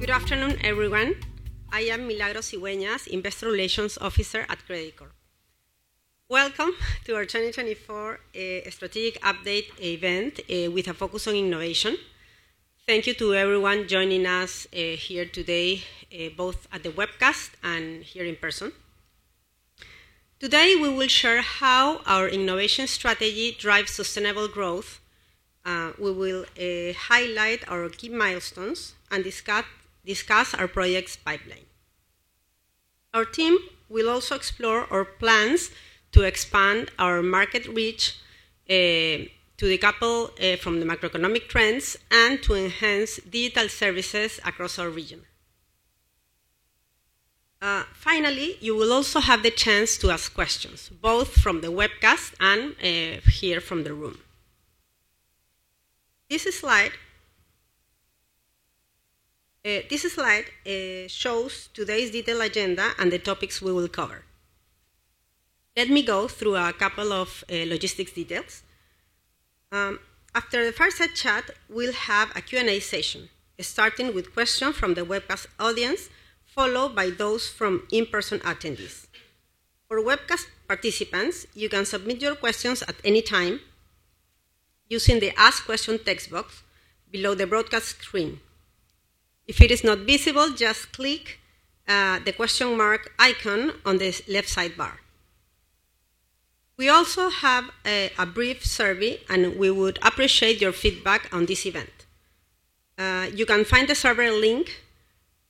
Good afternoon, everyone. I am Milagros Cigüeñas, Investor Relations Officer at Credicorp. Welcome to our 2024 strategic update event with a focus on innovation. Thank you to everyone joining us here today, both at the webcast and here in person. Today, we will share how our innovation strategy drives sustainable growth. We will highlight our key milestones and discuss our projects pipeline. Our team will also explore our plans to expand our market reach to decouple from the macroeconomic trends and to enhance digital services across our region. Finally, you will also have the chance to ask questions, both from the webcast and here from the room. This slide shows today's detailed agenda and the topics we will cover. Let me go through a couple of logistics details. After the first chat, we'll have a Q&A session, starting with questions from the webcast audience, followed by those from in-person attendees. For webcast participants, you can submit your questions at any time using the Ask Question text box below the broadcast screen. If it is not visible, just click the question mark icon on the left sidebar. We also have a brief survey, and we would appreciate your feedback on this event. You can find the survey link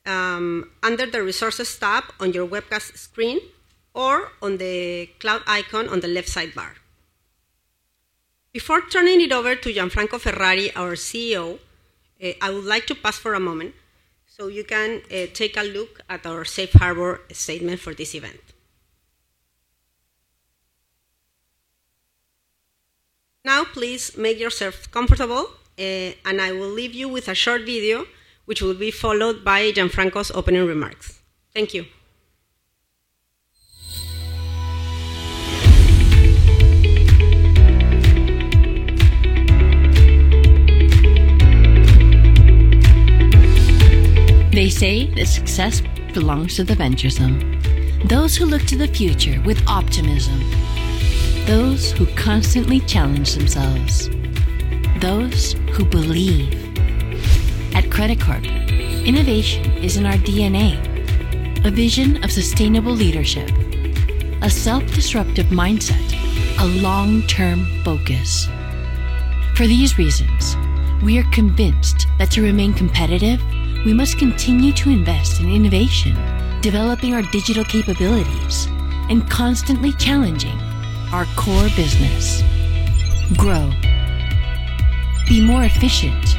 under the Resources tab on your webcast screen or on the cloud icon on the left sidebar. Before turning it over to Gianfranco Ferrari, our CEO, I would like to pause for a moment so you can take a look at our Safe Harbor Statement for this event. Now, please make yourself comfortable, and I will leave you with a short video, which will be followed by Gianfranco's opening remarks. Thank you. They say that success belongs to the venturesome, those who look to the future with optimism, those who constantly challenge themselves, those who believe. At Credicorp, innovation is in our DNA, a vision of sustainable leadership, a self-disruptive mindset, a long-term focus. For these reasons, we are convinced that to remain competitive, we must continue to invest in innovation, developing our digital capabilities, and constantly challenging our core business. Grow, be more efficient,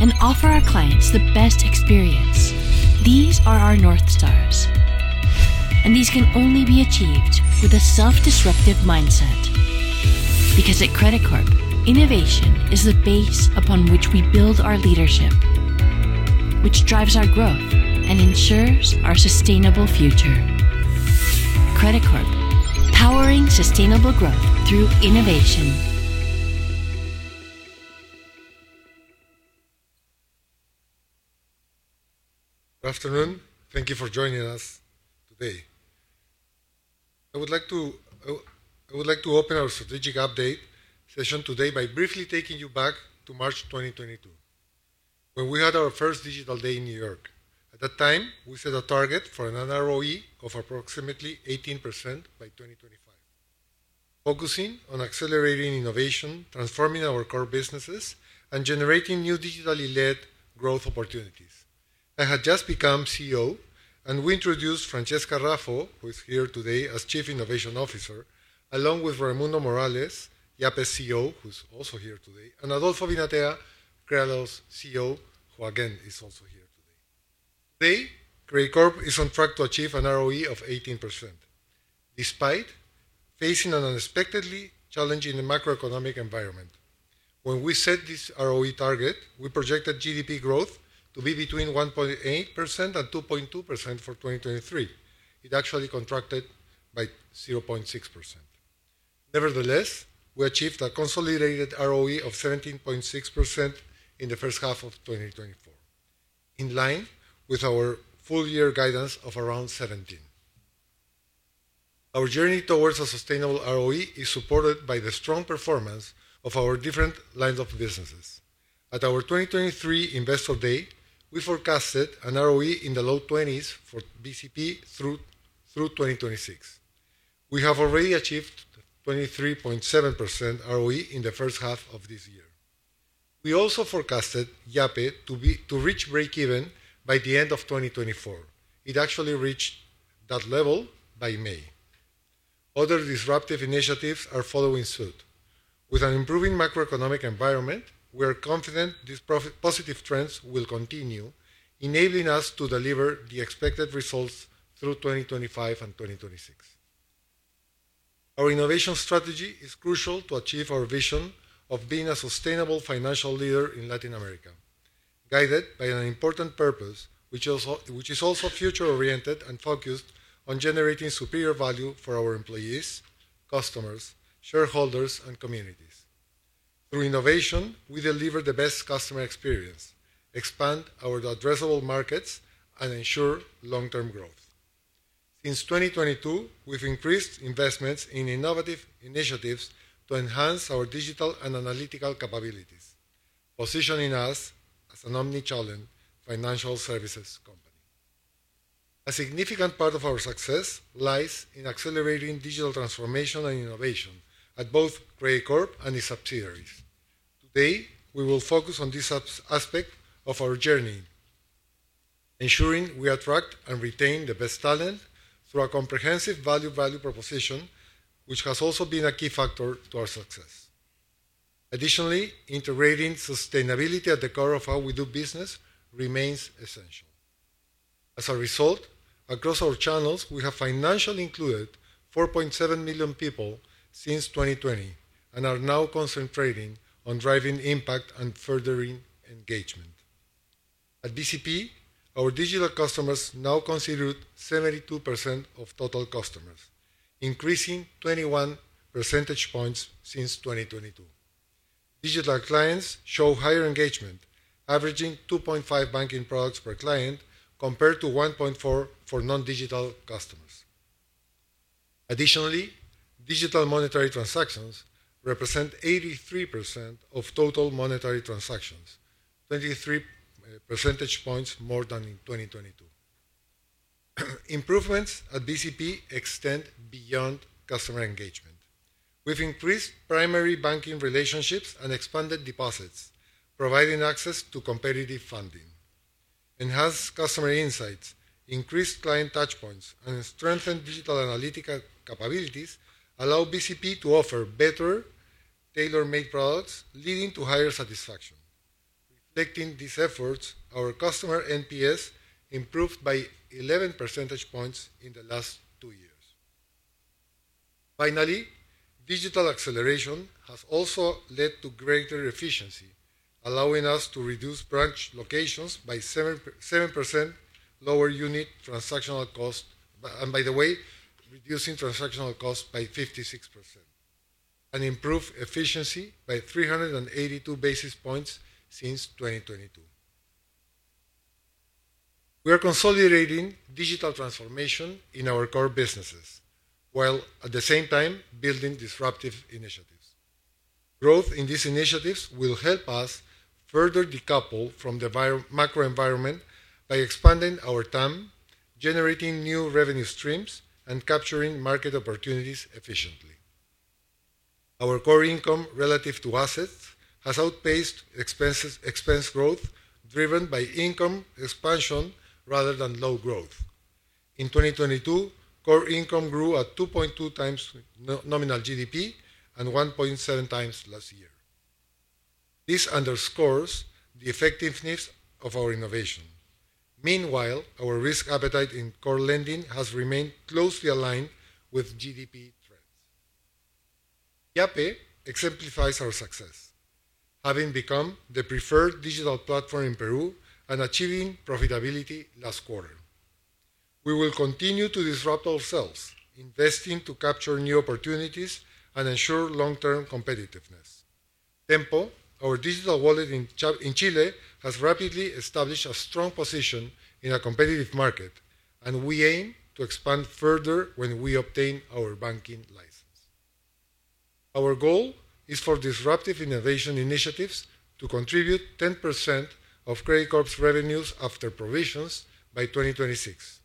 and offer our clients the best experience. These are our North Stars, and these can only be achieved with a self-disruptive mindset. Because at Credicorp, innovation is the base upon which we build our leadership, which drives our growth and ensures our sustainable future. Credicorp, powering sustainable growth through innovation. Good afternoon. Thank you for joining us today. I would like to open our strategic update session today by briefly taking you back to March 2022, when we had our first digital day in New York. At that time, we set a target for an ROE of approximately 18% by 2025, focusing on accelerating innovation, transforming our core businesses, and generating new digitally led growth opportunities. I had just become CEO, and we introduced Francesca Raffo, who is here today as Chief Innovation Officer, along with Raimundo Morales, Yape's CEO, who's also here today, and Adolfo Vinatea, Krealo's CEO, who again, is also here today. Today, Credicorp is on track to achieve an ROE of 18%, despite facing an unexpectedly challenging macroeconomic environment. When we set this ROE target, we projected GDP growth to be between 1.8% and 2.2% for 2023. It actually contracted by 0.6%. Nevertheless, we achieved a consolidated ROE of 17.6% in the first half of 2024, in line with our full year guidance of around 17%. Our journey towards a sustainable ROE is supported by the strong performance of our different lines of businesses. At our 2023 Investor Day, we forecasted an ROE in the low 20s for BCP through 2026. We have already achieved 23.7% ROE in the first half of this year. We also forecasted Yape to reach breakeven by the end of 2024. It actually reached that level by May. Other disruptive initiatives are following suit. With an improving macroeconomic environment, we are confident these profitable, positive trends will continue, enabling us to deliver the expected results through 2025 and 2026. Our innovation strategy is crucial to achieve our vision of being a sustainable financial leader in Latin America, guided by an important purpose, which is also future-oriented and focused on generating superior value for our employees, customers, shareholders, and communities. Through innovation, we deliver the best customer experience, expand our addressable markets, and ensure long-term growth. Since 2022, we've increased investments in innovative initiatives to enhance our digital and analytical capabilities, positioning us as an omnichannel financial services company. A significant part of our success lies in accelerating digital transformation and innovation at both Credicorp and its subsidiaries. Today, we will focus on this aspect of our journey, ensuring we attract and retain the best talent through our comprehensive value proposition, which has also been a key factor to our success. Additionally, integrating sustainability at the core of how we do business remains essential. As a result, across all channels, we have financially included 4.7 million people since 2020, and are now concentrating on driving impact and furthering engagement. At BCP, our digital customers now constitute 72% of total customers, increasing 21 percentage points since 2022. Digital clients show higher engagement, averaging 2.5 banking products per client, compared to 1.4 for non-digital customers. Additionally, digital monetary transactions represent 83% of total monetary transactions, 23 percentage points more than in 2022. Improvements at BCP extend beyond customer engagement. We've increased primary banking relationships and expanded deposits, providing access to competitive funding. Enhanced customer insights, increased client touch points, and strengthened digital analytical capabilities allow BCP to offer better tailor-made products, leading to higher satisfaction. Reflecting these efforts, our customer NPS improved by 11 percentage points in the last two years. Finally, digital acceleration has also led to greater efficiency, allowing us to reduce branch locations by 7.7%, lower unit transactional cost, and by the way, reducing transactional cost by 56%, and improve efficiency by 382 basis points since 2022. We are consolidating digital transformation in our core businesses, while at the same time building disruptive initiatives. Growth in these initiatives will help us further decouple from the environment-macro environment by expanding our TAM, generating new revenue streams, and capturing market opportunities efficiently. Our core income relative to assets has outpaced expenses, expense growth, driven by income expansion rather than low growth. In 2022, core income grew at 2.2x nominal GDP and 1.7x last year. This underscores the effectiveness of our innovation. Meanwhile, our risk appetite in core lending has remained closely aligned with GDP trends. Yape exemplifies our success, having become the preferred digital platform in Peru and achieving profitability last quarter. We will continue to disrupt ourselves, investing to capture new opportunities and ensure long-term competitiveness. Tenpo, our digital wallet in Chile, has rapidly established a strong position in a competitive market, and we aim to expand further when we obtain our banking license. Our goal is for disruptive innovation initiatives to contribute 10% of Credicorp's revenues after provisions by 2026.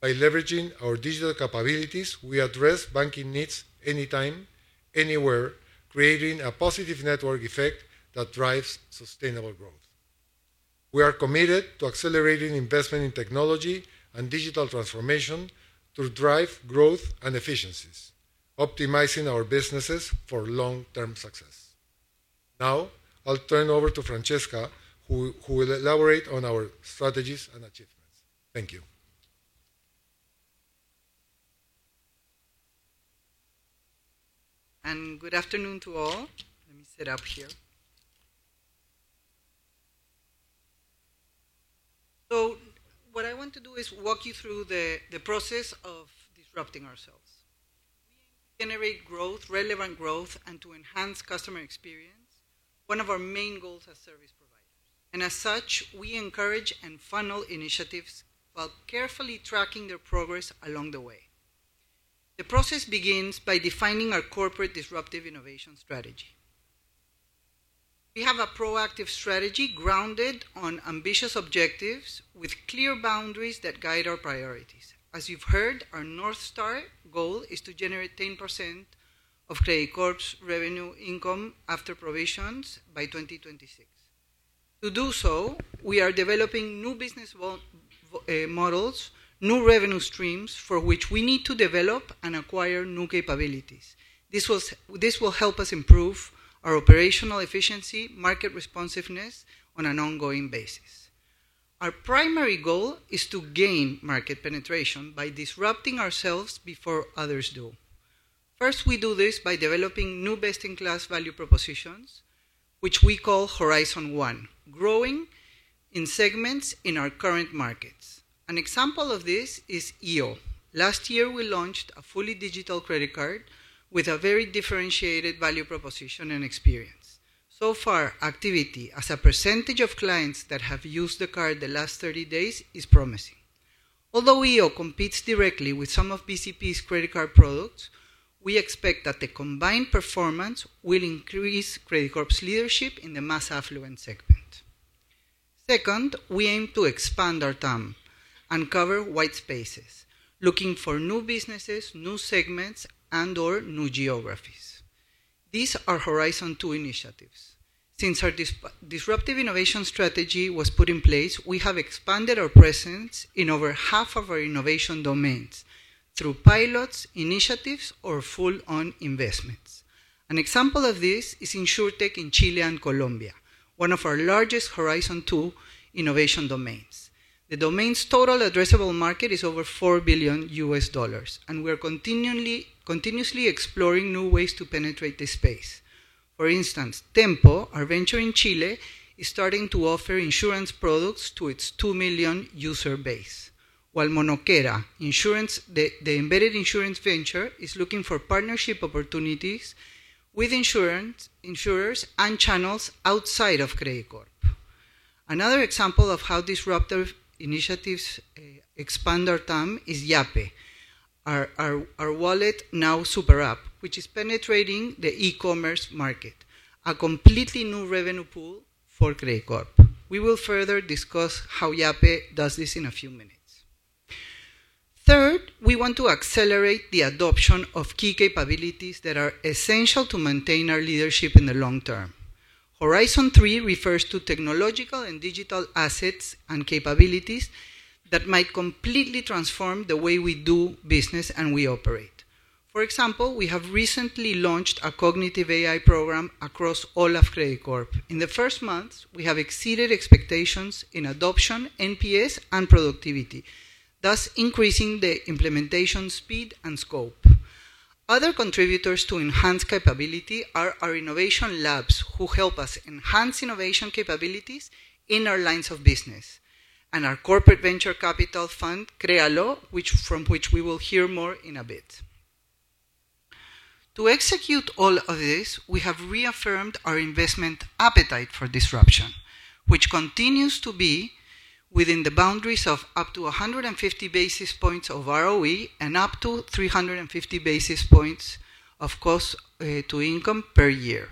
By leveraging our digital capabilities, we address banking needs anytime, anywhere, creating a positive network effect that drives sustainable growth. We are committed to accelerating investment in technology and digital transformation to drive growth and efficiencies, optimizing our businesses for long-term success. Now, I'll turn over to Francesca, who will elaborate on our strategies and achievements. Thank you. Good afternoon to all. Let me sit up here. What I want to do is walk you through the process of disrupting ourselves. Generate growth, relevant growth, and to enhance customer experience, one of our main goals as service provider, and as such, we encourage and funnel initiatives while carefully tracking their progress along the way. The process begins by defining our corporate disruptive innovation strategy. We have a proactive strategy grounded on ambitious objectives with clear boundaries that guide our priorities. As you've heard, our North Star goal is to generate 10% of Credicorp's revenue income after provisions by 2026. To do so, we are developing new business models, new revenue streams, for which we need to develop and acquire new capabilities. This will help us improve our operational efficiency, market responsiveness on an ongoing basis. Our primary goal is to gain market penetration by disrupting ourselves before others do. First, we do this by developing new best-in-class value propositions, which we call Horizon One: growing in segments in our current markets. An example of this is iO. Last year, we launched a fully digital credit card with a very differentiated value proposition and experience. So far, activity as a percentage of clients that have used the card the last thirty days is promising. Although iO competes directly with some of BCP's credit card products, we expect that the combined performance will increase Credicorp's leadership in the mass affluent segment. Second, we aim to expand our TAM and cover white spaces, looking for new businesses, new segments, and/or new geographies. These are Horizon Two initiatives. Since our disruptive innovation strategy was put in place, we have expanded our presence in over half of our innovation domains through pilots, initiatives, or full-on investments. An example of this is insurtech in Chile and Colombia, one of our largest Horizon Two innovation domains. The domain's total addressable market is over $4 billion, and we are continually exploring new ways to penetrate this space. For instance, Tenpo, our venture in Chile, is starting to offer insurance products to its 2 million user base, while Monokera, the embedded insurance venture, is looking for partnership opportunities with insurance, insurers, and channels outside of Credicorp. Another example of how disruptive initiatives expand our TAM is Yape, our wallet now super app, which is penetrating the e-commerce market, a completely new revenue pool for Credicorp. We will further discuss how Yape does this in a few minutes. Third, we want to accelerate the adoption of key capabilities that are essential to maintain our leadership in the long term. Horizon Three refers to technological and digital assets and capabilities that might completely transform the way we do business and we operate. For example, we have recently launched a cognitive AI program across all of Credicorp. In the first months, we have exceeded expectations in adoption, NPS, and productivity, thus increasing the implementation speed and scope. Other contributors to enhanced capability are our innovation labs, who help us enhance innovation capabilities in our lines of business, and our corporate venture capital fund, Krealo, which, from which we will hear more in a bit. To execute all of this, we have reaffirmed our investment appetite for disruption, which continues to be within the boundaries of up to 150 basis points of ROE and up to 350 basis points of cost-to-income per year.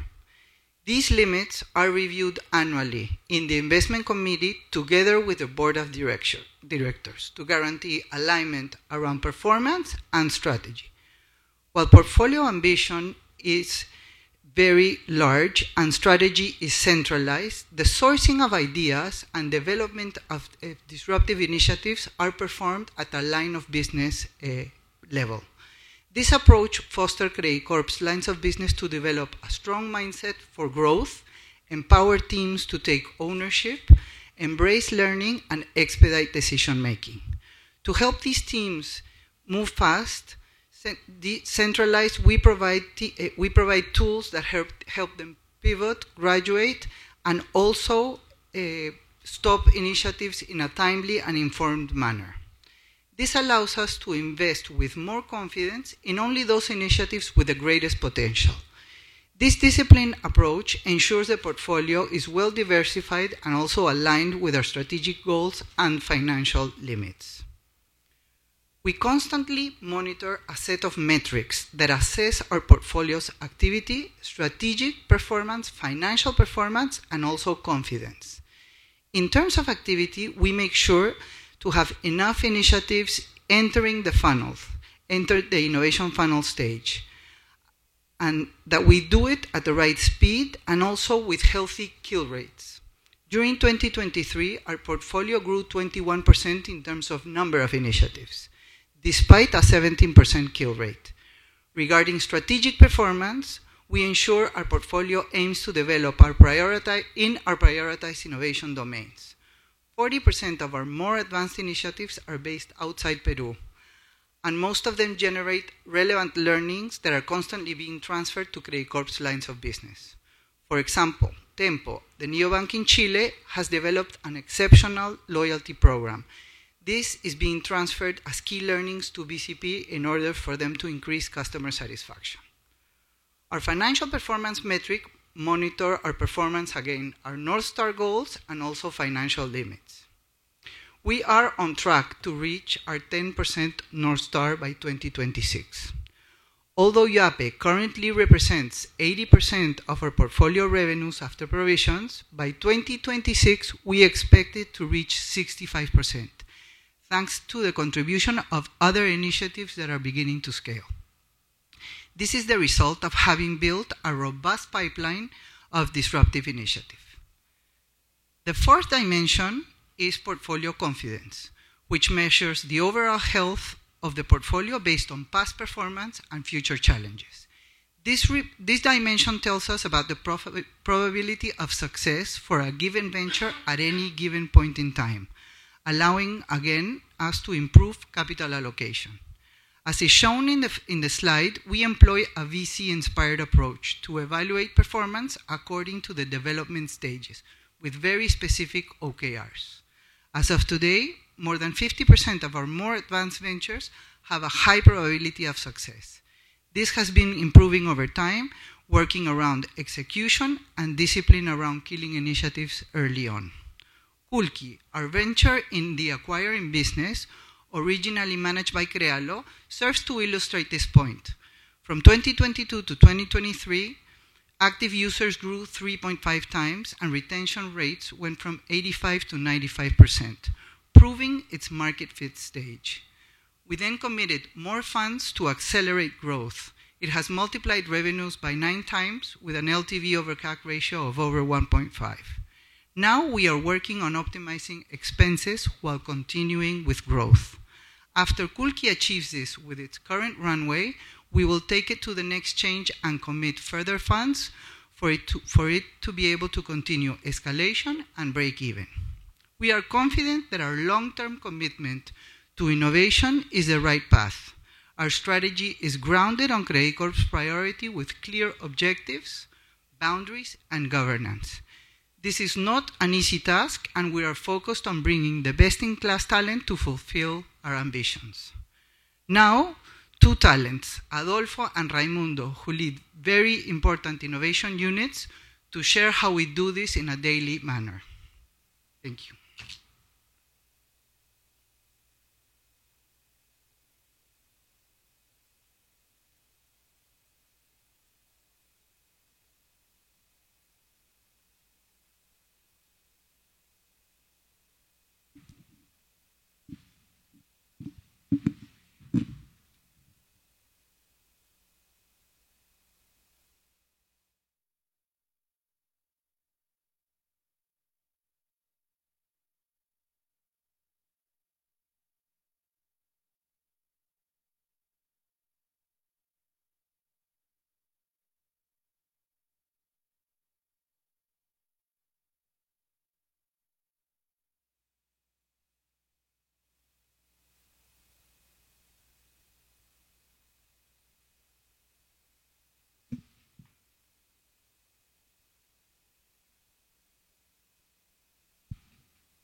These limits are reviewed annually in the investment committee, together with the board of directors, to guarantee alignment around performance and strategy. While portfolio ambition is very large and strategy is centralized, the sourcing of ideas and development of disruptive initiatives are performed at a line of business level. This approach foster Credicorp's lines of business to develop a strong mindset for growth, empower teams to take ownership, embrace learning, and expedite decision-making. To help these teams move fast, decentralized, we provide tools that help them pivot, graduate, and also stop initiatives in a timely and informed manner. This allows us to invest with more confidence in only those initiatives with the greatest potential. This disciplined approach ensures the portfolio is well-diversified and also aligned with our strategic goals and financial limits. We constantly monitor a set of metrics that assess our portfolio's activity, strategic performance, financial performance, and also confidence. In terms of activity, we make sure to have enough initiatives entering the funnels, enter the innovation funnel stage, and that we do it at the right speed and also with healthy kill rates. During 2023, our portfolio grew 21% in terms of number of initiatives, despite a 17% kill rate. Regarding strategic performance, we ensure our portfolio aims to develop our priority. In our prioritized innovation domains. 40% of our more advanced initiatives are based outside Peru, and most of them generate relevant learnings that are constantly being transferred to Credicorp's lines of business. For example, Tenpo, the neobank in Chile, has developed an exceptional loyalty program. This is being transferred as key learnings to BCP in order for them to increase customer satisfaction. Our financial performance metric monitor our performance against our North Star goals and also financial limits. We are on track to reach our 10% North Star by 2026. Although Yape currently represents 80% of our portfolio revenues after provisions, by 2026, we expect it to reach 65%, thanks to the contribution of other initiatives that are beginning to scale. This is the result of having built a robust pipeline of disruptive initiatives. The fourth dimension is portfolio confidence, which measures the overall health of the portfolio based on past performance and future challenges. This dimension tells us about the probability of success for a given venture at any given point in time, allowing, again, us to improve capital allocation. As is shown in the slide, we employ a VC-inspired approach to evaluate performance according to the development stages, with very specific OKRs. As of today, more than 50% of our more advanced ventures have a high probability of success. This has been improving over time, working around execution and discipline around killing initiatives early on. Culqi, our venture in the acquiring business, originally managed by Krealo, serves to illustrate this point. From 2022 to 2023, active users grew 3.5x, and retention rates went from 85% to 95%, proving its market fit stage. We then committed more funds to accelerate growth. It has multiplied revenues by nine times with an LTV over CAC ratio of over 1.5. Now, we are working on optimizing expenses while continuing with growth. After Culqi achieves this with its current runway, we will take it to the next change and commit further funds for it to be able to continue escalation and break even. We are confident that our long-term commitment to innovation is the right path. Our strategy is grounded on Credicorp's priority with clear objectives, boundaries, and governance. This is not an easy task, and we are focused on bringing the best-in-class talent to fulfill our ambitions. Now, two talents, Adolfo and Raimundo, who lead very important innovation units, to share how we do this in a daily manner. Thank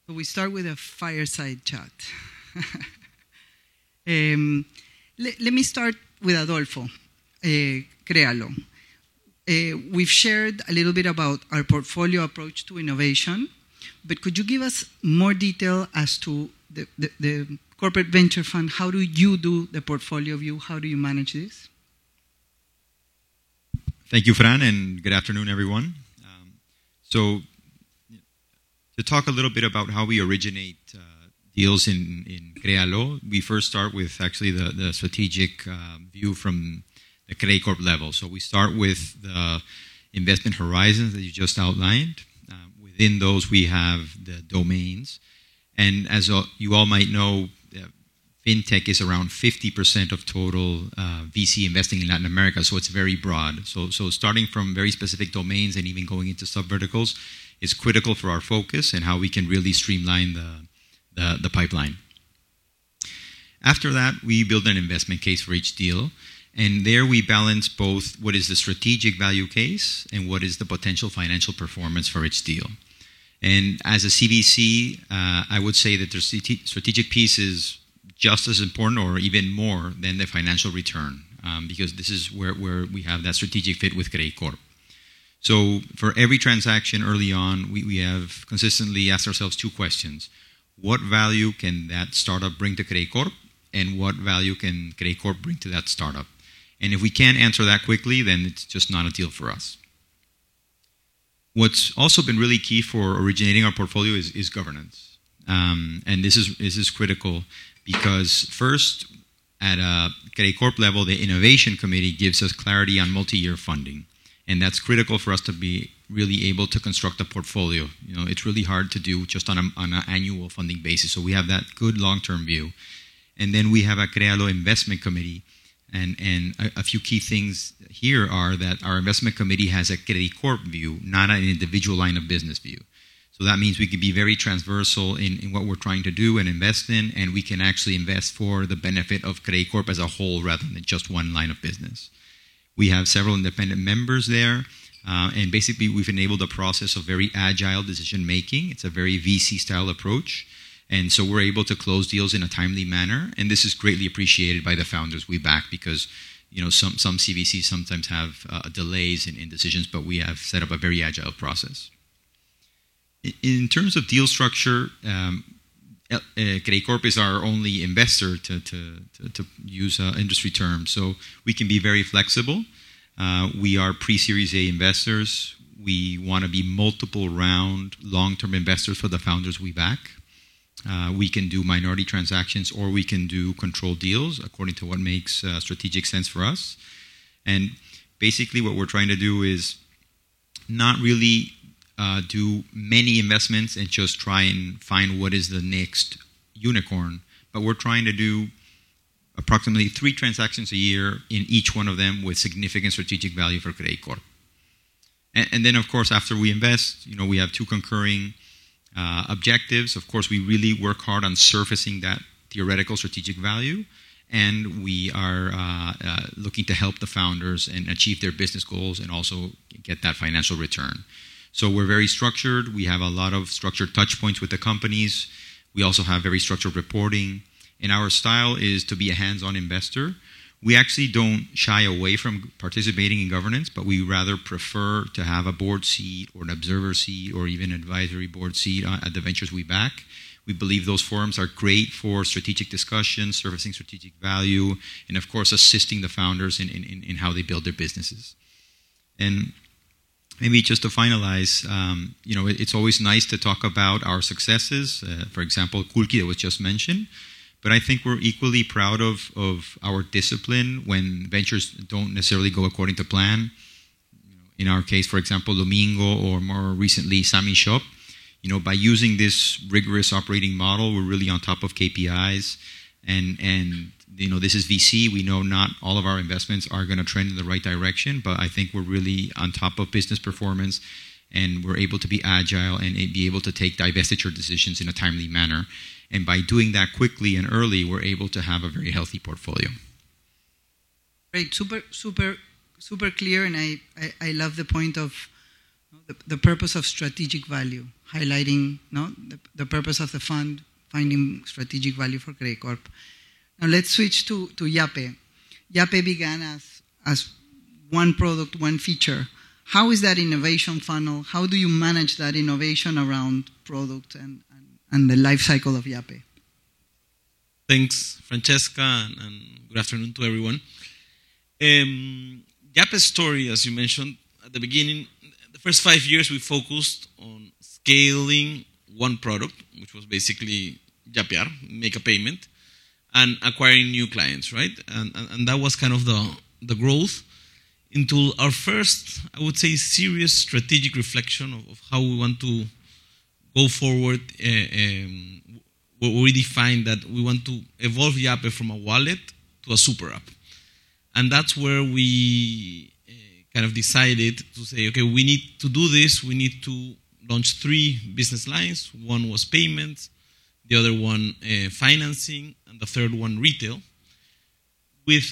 you. We start with a fireside chat. Let me start with Adolfo, Krealo. We've shared a little bit about our portfolio approach to innovation, but could you give us more detail as to the corporate venture fund? How do you do the portfolio view? How do you manage this? Thank you, Fran, and good afternoon, everyone. So to talk a little bit about how we originate deals in Krealo, we first start with actually the strategic view from the Credicorp level. So we start with the investment horizons that you just outlined. Within those, we have the domains, and as you all might know, fintech is around 50% of total VC investing in Latin America, so it's very broad. So starting from very specific domains and even going into subverticals is critical for our focus and how we can really streamline the pipeline. After that, we build an investment case for each deal, and there we balance both what is the strategic value case and what is the potential financial performance for each deal. And as a CVC, I would say that the strategic piece is just as important or even more than the financial return, because this is where we have that strategic fit with Credicorp. So for every transaction early on, we have consistently asked ourselves two questions: What value can that startup bring to Credicorp? And what value can Credicorp bring to that startup? And if we can't answer that quickly, then it's just not a deal for us. What's also been really key for originating our portfolio is governance. And this is critical because first, at a Credicorp level, the innovation committee gives us clarity on multi-year funding, and that's critical for us to be really able to construct a portfolio. You know, it's really hard to do just on an annual funding basis, so we have that good long-term view. Then we have a Krealo investment committee, and a few key things here are that our investment committee has a Credicorp view, not an individual line of business view. So that means we can be very transversal in what we're trying to do and invest in, and we can actually invest for the benefit of Credicorp as a whole, rather than just one line of business. We have several independent members there, and basically, we've enabled a process of very agile decision-making. It's a very VC-style approach, and so we're able to close deals in a timely manner, and this is greatly appreciated by the founders we back because, you know, some CVCs sometimes have delays in decisions, but we have set up a very agile process. In terms of deal structure, Credicorp is our only investor, to use an industry term, so we can be very flexible. We are pre-Series A investors. We want to be multiple-round, long-term investors for the founders we back. We can do minority transactions, or we can do controlled deals according to what makes strategic sense for us. And basically, what we're trying to do is really, we do not do many investments and just try and find what is the next unicorn, but we're trying to do approximately three transactions a year in each one of them with significant strategic value for Credicorp. And then, of course, after we invest, you know, we have two concurrent objectives. Of course, we really work hard on surfacing that theoretical strategic value, and we are looking to help the founders and achieve their business goals and also get that financial return. So we're very structured. We have a lot of structured touch points with the companies. We also have very structured reporting, and our style is to be a hands-on investor. We actually don't shy away from participating in governance, but we rather prefer to have a board seat or an observer seat or even advisory board seat at the ventures we back. We believe those forums are great for strategic discussions, surfacing strategic value and of course, assisting the founders in how they build their businesses. And maybe just to finalize, you know, it's always nice to talk about our successes, for example, Culqi, that was just mentioned, but I think we're equally proud of our discipline when ventures don't necessarily go according to plan. In our case, for example, Domingo or more recently, Sami Shop. You know, by using this rigorous operating model, we're really on top of KPIs and, you know, this is VC, we know not all of our investments are gonna trend in the right direction, but I think we're really on top of business performance, and we're able to be agile and be able to take divestiture decisions in a timely manner. By doing that quickly and early, we're able to have a very healthy portfolio. Great. Super, super, super clear, and I love the point of the purpose of strategic value. Highlighting the purpose of the fund, finding strategic value for Credicorp. Now, let's switch to Yape. Yape began as one product, one feature. How is that innovation funnel? How do you manage that innovation around product and the life cycle of Yape? Thanks, Francesca, and good afternoon to everyone. Yape's story, as you mentioned at the beginning, the first five years, we focused on scaling one product, which was basically yapear, make a payment, and acquiring new clients, right? And that was kind of the growth until our first, I would say, serious strategic reflection of how we want to go forward. We defined that we want to evolve Yape from a wallet to a super app. And that's where we kind of decided to say, "Okay, we need to do this. We need to launch three business lines." One was payments, the other one financing, and the third one retail. With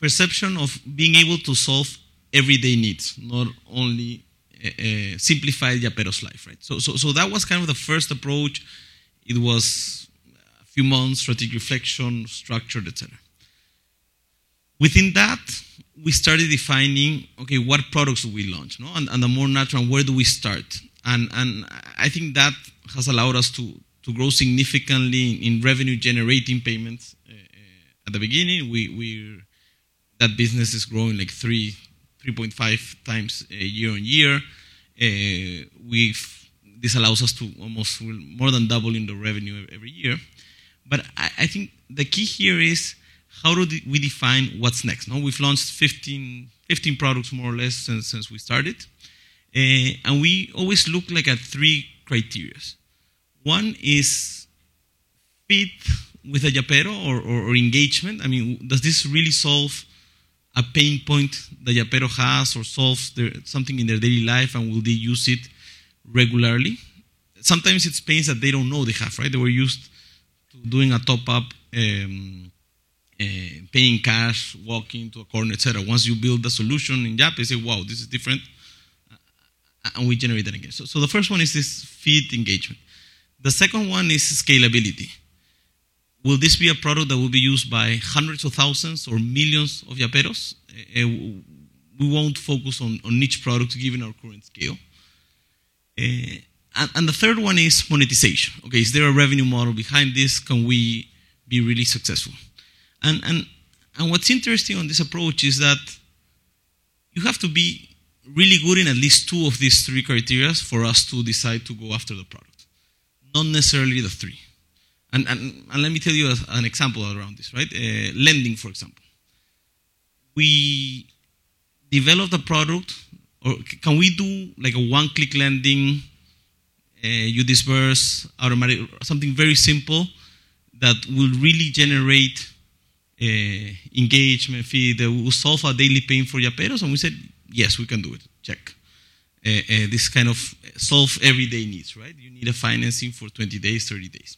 perception of being able to solve everyday needs, not only simplify yapear's life, right? So that was kind of the first approach. It was a few months, strategic reflection, structure, et cetera. Within that, we started defining, okay, what products do we launch, no? And the more natural, where do we start? And I think that has allowed us to grow significantly in revenue generating payments. At the beginning, that business is growing like 3.5x year-on-year. This allows us to almost more than double in the revenue every year. But I think the key here is: how do we define what's next? Now, we've launched 15 products, more or less, since we started, and we always look, like, at three criteria. One is fit with a yapear or engagement. I mean, does this really solve a pain point that Yapear has or solves their something in their daily life, and will they use it regularly? Sometimes it's pains that they don't know they have, right? They were used to doing a top up, paying cash, walking to a corner, et cetera. Once you build the solution in Yape, they say, "Wow, this is different," and we generate that again. So the first one is this fit engagement. The second one is scalability. Will this be a product that will be used by hundreds of thousands or millions of Yapearos? We won't focus on niche products, given our current scale. And the third one is monetization. Okay, is there a revenue model behind this? Can we be really successful? What's interesting on this approach is that you have to be really good in at least two of these three criteria for us to decide to go after the product, not necessarily the three. Let me tell you an example around this, right? Lending, for example. We developed a product. Can we do, like, a one-click lending, you disperse automatic something very simple that will really generate engagement fee, that will solve a daily pain for Yapearos? And we said, "Yes, we can do it. Check." This kind of solve everyday needs, right? You need a financing for 20 days, 30 days.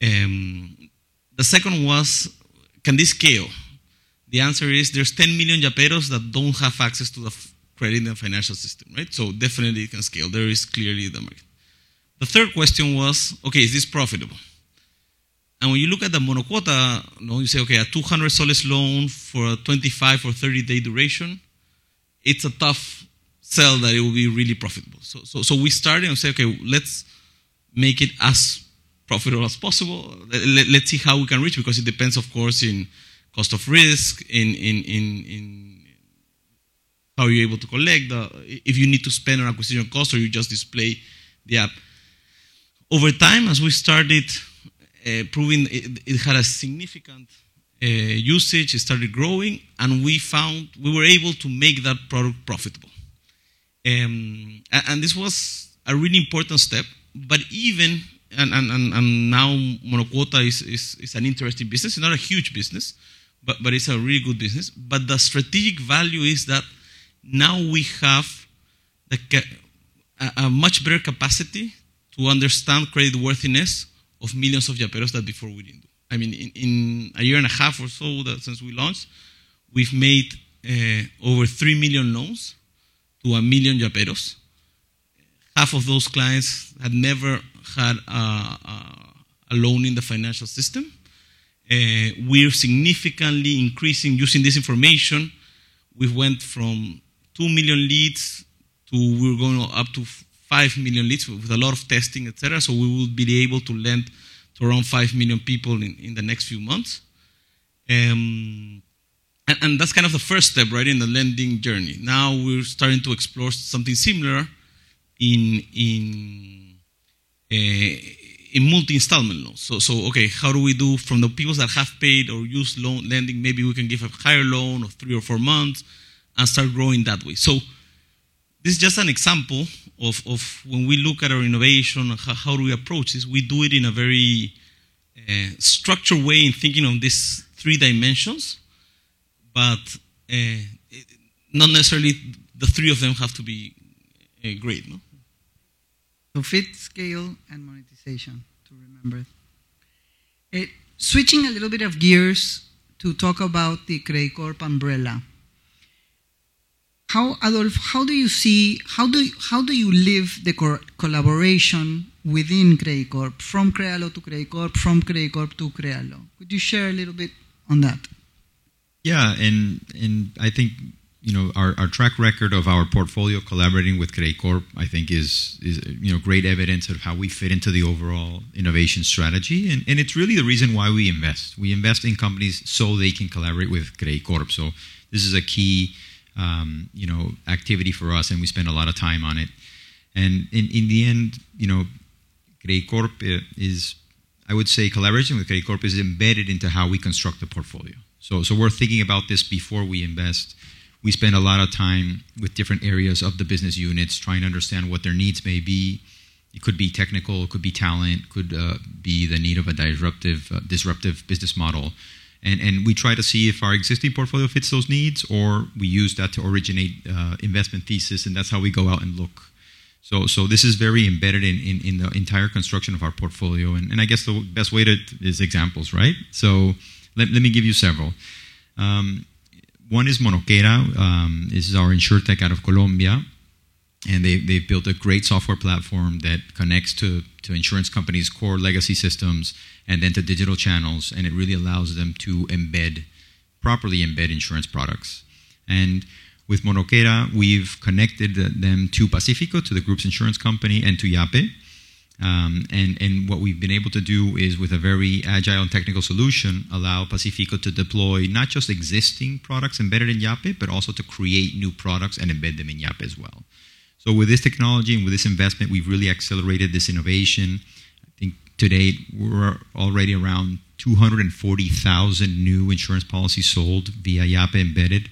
The second was, can this scale? The answer is, there's 10 million Yapearos that don't have access to the credit and financial system, right? So definitely, it can scale. There is clearly the market. The third question was, okay, is this profitable? And when you look at the Monokera, no, you say, okay, a PEN 200 loan for a 25- or 30-day duration, it's a tough sell that it will be really profitable. So we started and said: Okay, let's make it as profitable as possible. Let's see how we can reach, because it depends, of course, in cost of risk, in how you're able to collect, if you need to spend on acquisition cost or you just display the app. Over time, as we started proving it, it had a significant usage, it started growing, and we found we were able to make that product profitable. And this was a really important step, but even now Monokera is an interesting business, not a huge business, but it's a really good business. But the strategic value is that now we have a much better capacity to understand creditworthiness of millions of Yapearos that before we didn't. I mean, in a year and a half or so since we launched, we've made over three million loans to a million Yapearos. Half of those clients had never had a loan in the financial system. We're significantly increasing. Using this information, we went from two million leads to we're going up to five million leads with a lot of testing, et cetera, so we will be able to lend to around five million people in the next few months. And that's kind of the first step, right, in the lending journey. Now we're starting to explore something similar in multi-installment loans. So, okay, how do we do from the people that have paid or used loan lending? Maybe we can give a higher loan of three or four months and start growing that way. So this is just an example of when we look at our innovation and how do we approach this, we do it in a very structured way in thinking of these three dimensions, but not necessarily the three of them have to be great, no? Fit, scale, and monetization, to remember. Switching a little bit of gears to talk about the Credicorp umbrella. How, Adolfo, do you see how you live the collaboration within Credicorp, from Krealo to Credicorp, from Credicorp to Krealo? Could you share a little bit on that? Yeah, and I think, you know, our track record of our portfolio collaborating with Credicorp, I think, is, you know, great evidence of how we fit into the overall innovation strategy, and it's really the reason why we invest. We invest in companies so they can collaborate with Credicorp. This is a key, you know, activity for us, and we spend a lot of time on it. In the end, you know, I would say collaboration with Credicorp is embedded into how we construct the portfolio. We're thinking about this before we invest. We spend a lot of time with different areas of the business units, trying to understand what their needs may be. It could be technical, it could be talent, could be the need of a disruptive business model. We try to see if our existing portfolio fits those needs, or we use that to originate investment thesis, and that's how we go out and look. This is very embedded in the entire construction of our portfolio, and I guess the best way is examples, right? So let me give you several. One is Monokera. This is our insurtech out of Colombia, and they've built a great software platform that connects to insurance companies' core legacy systems and then to digital channels, and it really allows them to embed, properly embed insurance products. And with Monokera, we've connected them to Pacífico, to the group's insurance company, and to Yape. What we've been able to do is, with a very agile and technical solution, allow Pacífico to deploy not just existing products embedded in Yape, but also to create new products and embed them in Yape as well. With this technology and with this investment, we've really accelerated this innovation. I think today we're already around two hundred and forty thousand new insurance policies sold via Yape embedded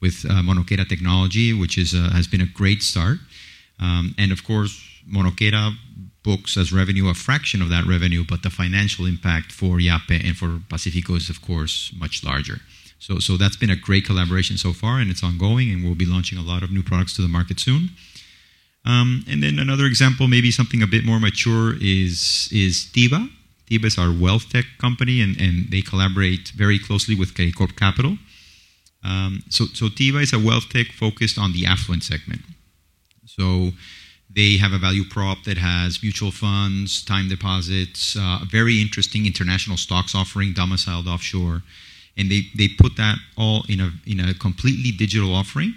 with Monokera technology, which has been a great start. Of course, Monokera books as revenue a fraction of that revenue, but the financial impact for Yape and for Pacífico is, of course, much larger. That's been a great collaboration so far, and it's ongoing, and we'll be launching a lot of new products to the market soon. Another example, maybe something a bit more mature is tyba. Tyba is our wealth tech company, and they collaborate very closely with Credicorp Capital. So tyba is a wealth tech focused on the affluent segment. So they have a value prop that has mutual funds, time deposits, very interesting international stocks offering, domiciled offshore, and they put that all in a completely digital offering,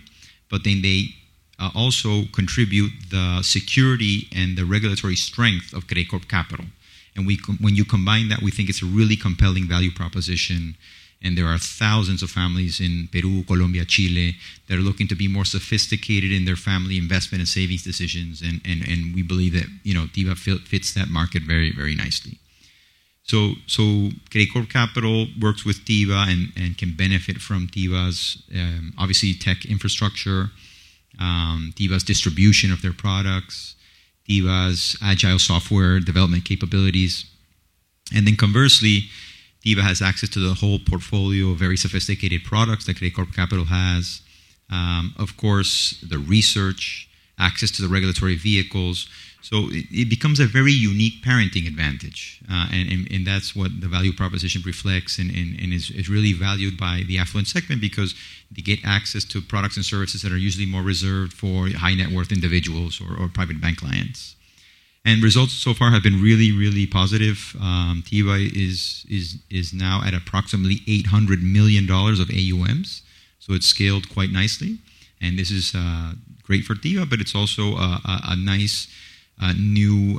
but then they also contribute the security and the regulatory strength of Credicorp Capital. And when you combine that, we think it's a really compelling value proposition, and there are thousands of families in Peru, Colombia, Chile, that are looking to be more sophisticated in their family investment and savings decisions, and we believe that, you know, tyba fits that market very, very nicely. Credicorp Capital works with tyba and can benefit from tyba's obviously tech infrastructure, tyba's distribution of their products, tyba's agile software development capabilities. And then conversely, tyba has access to the whole portfolio of very sophisticated products that Credicorp Capital has. Of course, the research, access to the regulatory vehicles, so it becomes a very unique parenting advantage. And that's what the value proposition reflects and is really valued by the affluent segment because they get access to products and services that are usually more reserved for high-net-worth individuals or private bank clients. And results so far have been really, really positive. Tyba is now at approximately $800 million of AUMs, so it's scaled quite nicely. And this is great for tyba, but it's also a nice new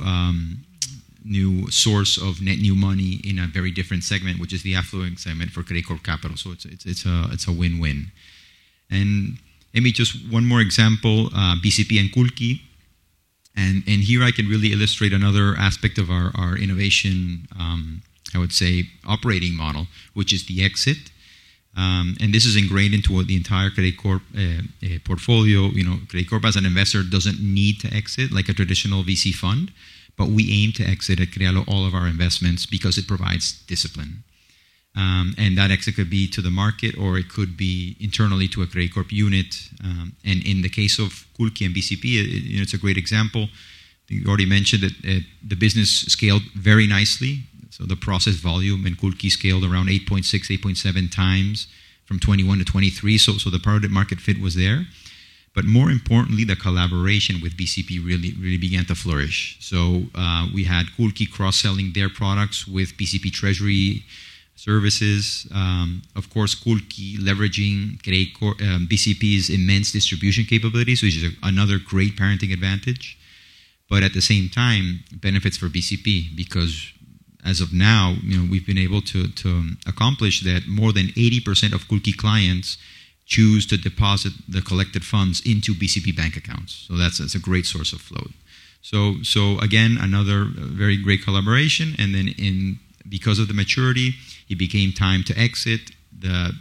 source of net new money in a very different segment, which is the affluent segment for Credicorp Capital, so it's a win-win. And maybe just one more example, BCP and Culqi. And here I can really illustrate another aspect of our innovation operating model, which is the exit. And this is ingrained into the entire Credicorp portfolio. You know, Credicorp, as an investor, doesn't need to exit like a traditional VC fund, but we aim to exit at Krealo all of our investments because it provides discipline. And that exit could be to the market, or it could be internally to a Credicorp unit. And in the case of Culqi and BCP, it you know, it's a great example. You already mentioned that the business scaled very nicely, so the processing volume in Culqi scaled around 8.6x-8.7x from 2021 to 2023. So the product market fit was there. But more importantly, the collaboration with BCP really began to flourish. So we had Culqi cross-selling their products with BCP Treasury Services. Of course, Culqi leveraging Credicorp, BCP's immense distribution capabilities, which is another great parenting advantage, but at the same time, benefits for BCP, because as of now, you know, we've been able to accomplish that more than 80% of Culqi clients choose to deposit the collected funds into BCP bank accounts. So that's a great source of flow. So again, another very great collaboration, and then, because of the maturity, it became time to exit. The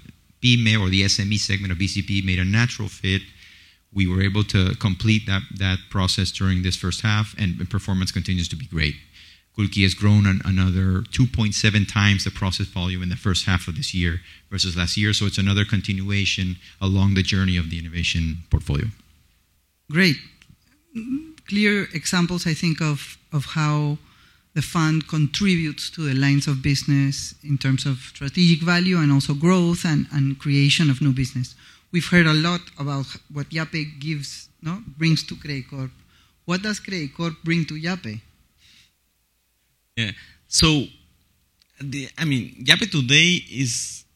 PYME or the SME segment of BCP made a natural fit. We were able to complete that process during this first half, and the performance continues to be great. Culqi has grown another two point seven times the process volume in the first half of this year versus last year, so it's another continuation along the journey of the innovation portfolio. Great. Clear examples, I think, of how the fund contributes to the lines of business in terms of strategic value and also growth and creation of new business. We've heard a lot about what Yape gives, no, brings to Credicorp. What does Credicorp bring to Yape? Yeah. So, I mean, Yape today is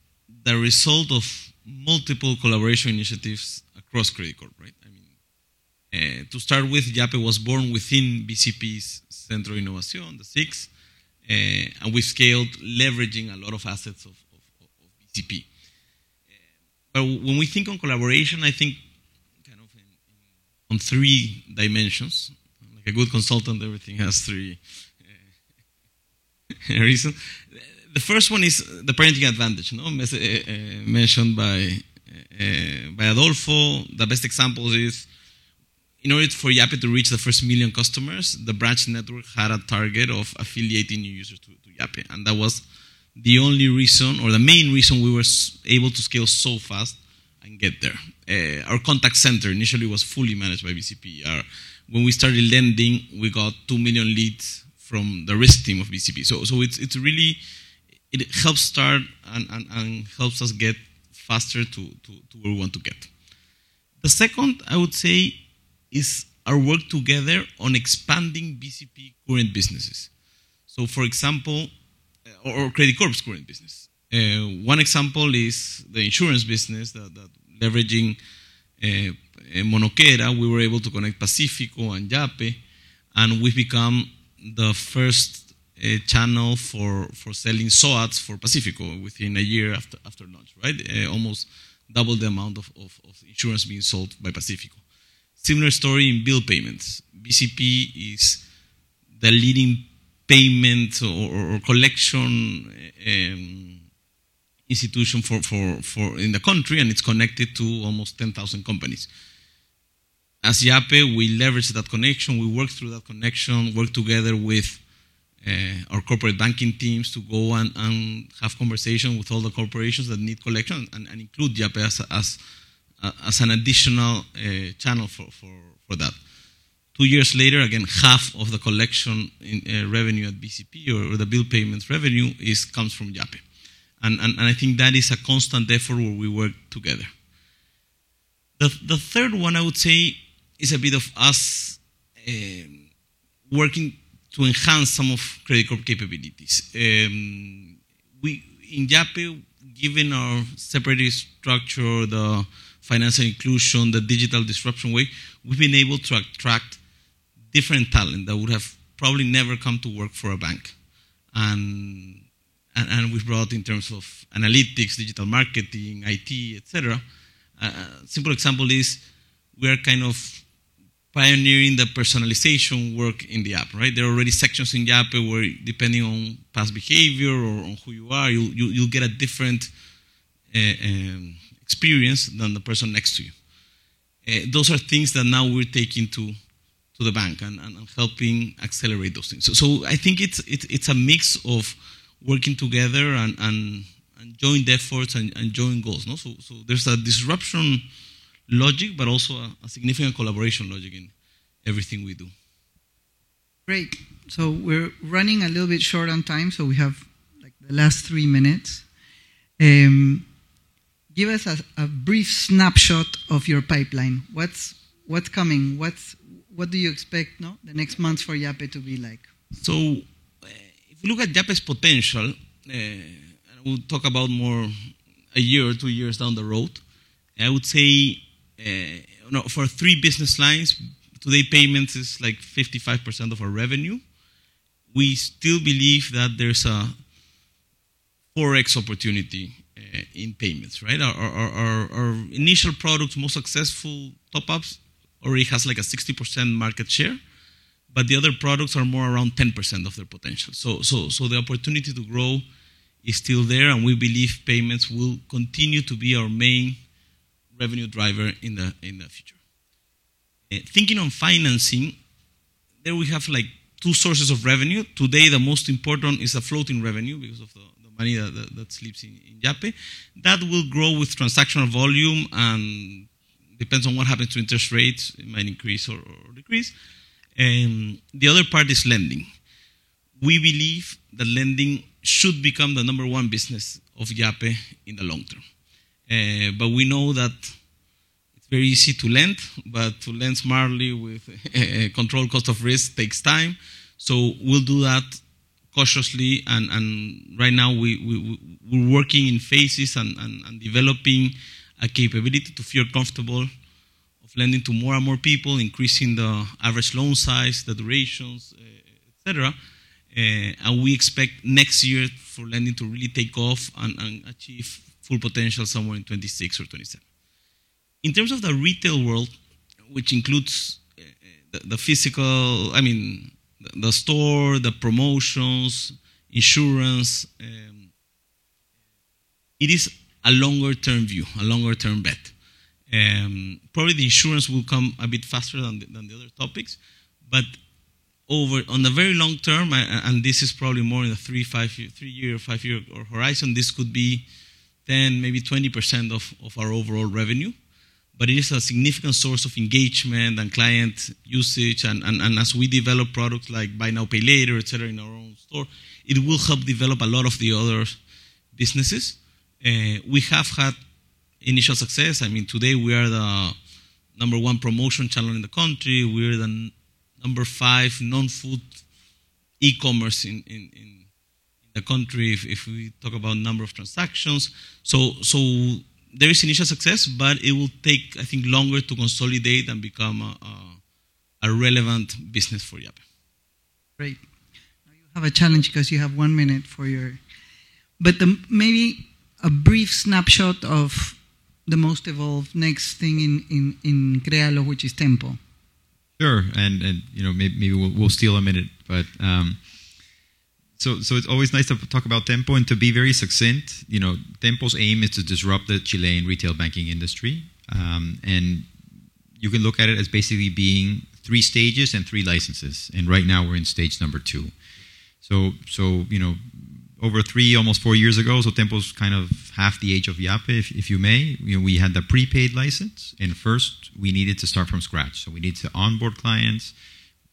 the result of multiple collaboration initiatives across Credicorp, right? I mean, to start with, Yape was born within BCP's Centro de Innovación, the CIX, and we scaled, leveraging a lot of assets of BCP. When we think on collaboration, I think, kind of on three dimensions. Like a good consultant, everything has three reasons. The first one is the parenting advantage, you know, mentioned by Adolfo. The best example is, in order for Yape to reach the first million customers, the branch network had a target of affiliating new users to Yape, and that was the only reason, or the main reason, we were able to scale so fast and get there. Our contact center initially was fully managed by BCP. When we started lending, we got two million leads from the risk team of BCP. So, it's really. It helps start and helps us get faster to where we want to get. The second, I would say, is our work together on expanding BCP current businesses. So, for example, or Credicorp's current business. One example is the insurance business that, leveraging Monokera, we were able to connect Pacífico and Yape, and we've become the first channel for selling SOATs for Pacífico within a year after launch, right? Almost double the amount of insurance being sold by Pacífico. Similar story in bill payments. BCP is the leading payment or collection institution in the country, and it's connected to almost 10,000 companies. As Yape, we leverage that connection. We work through that connection, work together with our corporate banking teams to go and have conversation with all the corporations that need collection and include Yape as an additional channel for that. Two years later, again, half of the collection in revenue at BCP or the bill payments revenue comes from Yape. And I think that is a constant effort where we work together. The third one, I would say, is a bit of us working to enhance some of Credicorp capabilities. In Yape, given our separate structure, the financial inclusion, the digital disruption way, we've been able to attract different talent that would have probably never come to work for a bank. And we've brought in terms of analytics, digital marketing, IT, et cetera. Simple example is, we are kind of pioneering the personalization work in the app, right? There are already sections in Yape where, depending on past behavior or on who you are, you'll get a different experience than the person next to you. Those are things that now we're taking to the bank and helping accelerate those things. So I think it's a mix of working together and joint efforts and joint goals, no? So there's a disruption logic, but also a significant collaboration logic in everything we do. Great. So we're running a little bit short on time, so we have, like, the last three minutes. Give us a brief snapshot of your pipeline. What's coming? What do you expect, no, the next months for Yape to be like? If you look at Yape's potential, and we'll talk about more a year or two years down the road, I would say, now, for three business lines, today, payments is, like, 55% of our revenue. We still believe that there's a 4x opportunity in payments, right? Our initial products, most successful top-ups already has like a 60% market share, but the other products are more around 10% of their potential. So the opportunity to grow is still there, and we believe payments will continue to be our main revenue driver in the future. Thinking on financing, there we have, like, two sources of revenue. Today, the most important is the floating revenue because of the money that sleeps in Yape. That will grow with transactional volume and depends on what happens to interest rates. It might increase or decrease. And the other part is lending. We believe that lending should become the number one business of Yape in the long term. But we know that it's very easy to lend, but to lend smartly with a controlled cost of risk takes time. So we'll do that cautiously, and right now, we're working in phases and developing a capability to feel comfortable of lending to more and more people, increasing the average loan size, the durations, et cetera. And we expect next year for lending to really take off and achieve full potential somewhere in 2026 or 2027. In terms of the retail world, which includes the physical, I mean, the store, the promotions, insurance, it is a longer-term view, a longer-term bet. Probably the insurance will come a bit faster than the other topics, but on the very long term, and this is probably more in a three-year or five-year horizon, this could be 10%, maybe 20% of our overall revenue. But it is a significant source of engagement and client usage, and as we develop products like buy now, pay later, et cetera, in our own store, it will help develop a lot of the other businesses. We have had initial success. I mean, today, we are the number one promotion channel in the country. We're the number five non-food e-commerce in the country, if we talk about number of transactions. So, there is initial success, but it will take, I think, longer to consolidate and become a relevant business for Yape. Great. Now you have a challenge because you have one minute, but maybe a brief snapshot of the most evolved next thing in Krealo, which is Tenpo. Sure, and you know, maybe we'll steal a minute, but so it's always nice to talk about Tenpo and to be very succinct. You know, Tenpo's aim is to disrupt the Chilean retail banking industry, and you can look at it as basically being three stages and three licenses, and right now we're in stage number two. So you know, over three, almost four years ago, so Tenpo's kind of half the age of Yape, if you may. You know, we had the prepaid license, and first we needed to start from scratch, so we needed to onboard clients.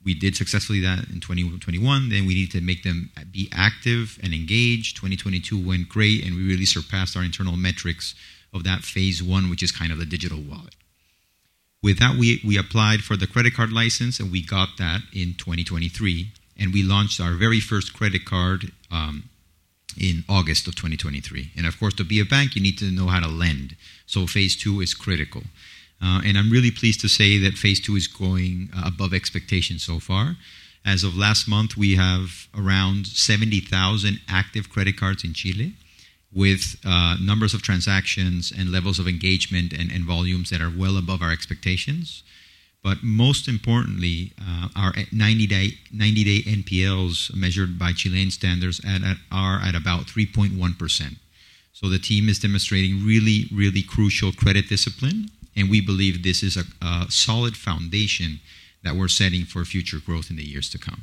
We did successfully that in 2021, then we needed to make them be active and engaged. 2022 went great, and we really surpassed our internal metrics of that phase one, which is kind of the digital wallet. With that, we applied for the credit card license, and we got that in 2023, and we launched our very first credit card in August of 2023. And of course, to be a bank, you need to know how to lend, so phase two is critical. And I'm really pleased to say that phase two is going above expectations so far. As of last month, we have around 70,000 active credit cards in Chile with numbers of transactions and levels of engagement and volumes that are well above our expectations. But most importantly, our 90-day NPLs, measured by Chilean standards, are at about 3.1%. So the team is demonstrating really, really crucial credit discipline, and we believe this is a solid foundation that we're setting for future growth in the years to come.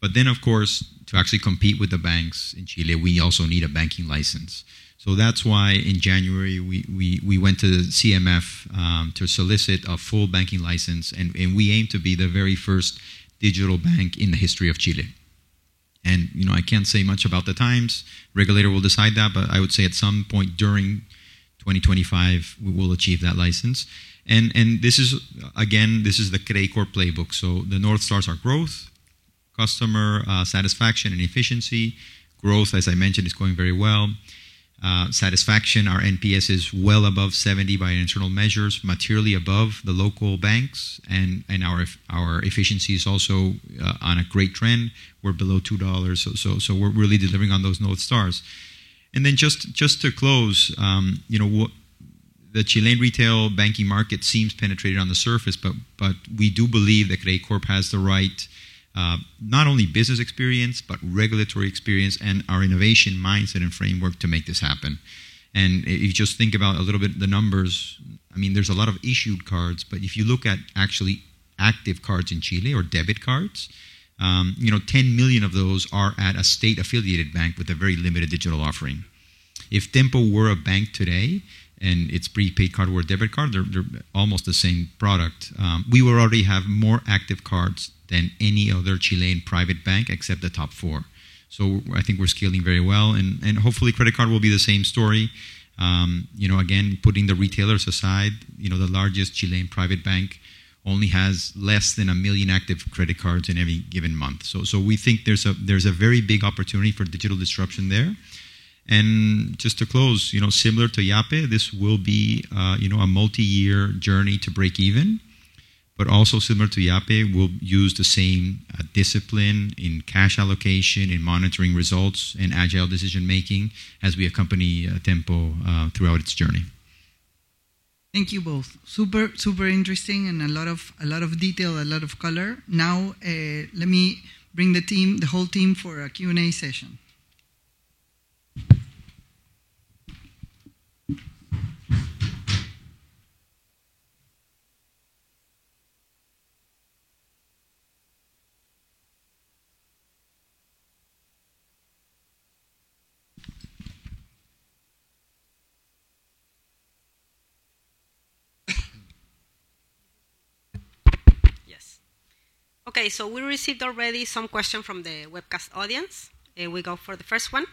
But then, of course, to actually compete with the banks in Chile, we also need a banking license. So that's why in January, we went to the CMF to solicit a full banking license, and we aim to be the very first digital bank in the history of Chile. And, you know, I can't say much about the times. Regulator will decide that, but I would say at some point during 2025, we will achieve that license. And again, this is the Credicorp playbook. So the north stars are growth, customer satisfaction, and efficiency. Growth, as I mentioned, is going very well. Satisfaction, our NPS is well above 70 by internal measures, materially above the local banks, and our efficiency is also on a great trend. We're below $2, so we're really delivering on those north stars. And then just to close, you know, the Chilean retail banking market seems penetrated on the surface, but we do believe that Credicorp has the right, not only business experience, but regulatory experience, and our innovation mindset and framework to make this happen. And if you just think about a little bit the numbers, I mean, there's a lot of issued cards, but if you look at actually active cards in Chile or debit cards, you know, 10 million of those are at a state-affiliated bank with a very limited digital offering. If Tenpo were a bank today, and its prepaid card or debit card, they're almost the same product, we would already have more active cards than any other Chilean private bank, except the top four. So I think we're scaling very well, and hopefully, credit card will be the same story. You know, again, putting the retailers aside, you know, the largest Chilean private bank only has less than a million active credit cards in every given month. So we think there's a very big opportunity for digital disruption there. And just to close, you know, similar to Yape, this will be a you know, a multi-year journey to break even, but also similar to Yape, we'll use the same discipline in cash allocation, in monitoring results, and agile decision-making as we accompany Tenpo throughout its journey. Thank you both. Super, super interesting and a lot of, a lot of detail, a lot of color. Now, let me bring the team, the whole team, for a Q&A session. Yes. Okay, so we received already some question from the webcast audience, and we go for the first one.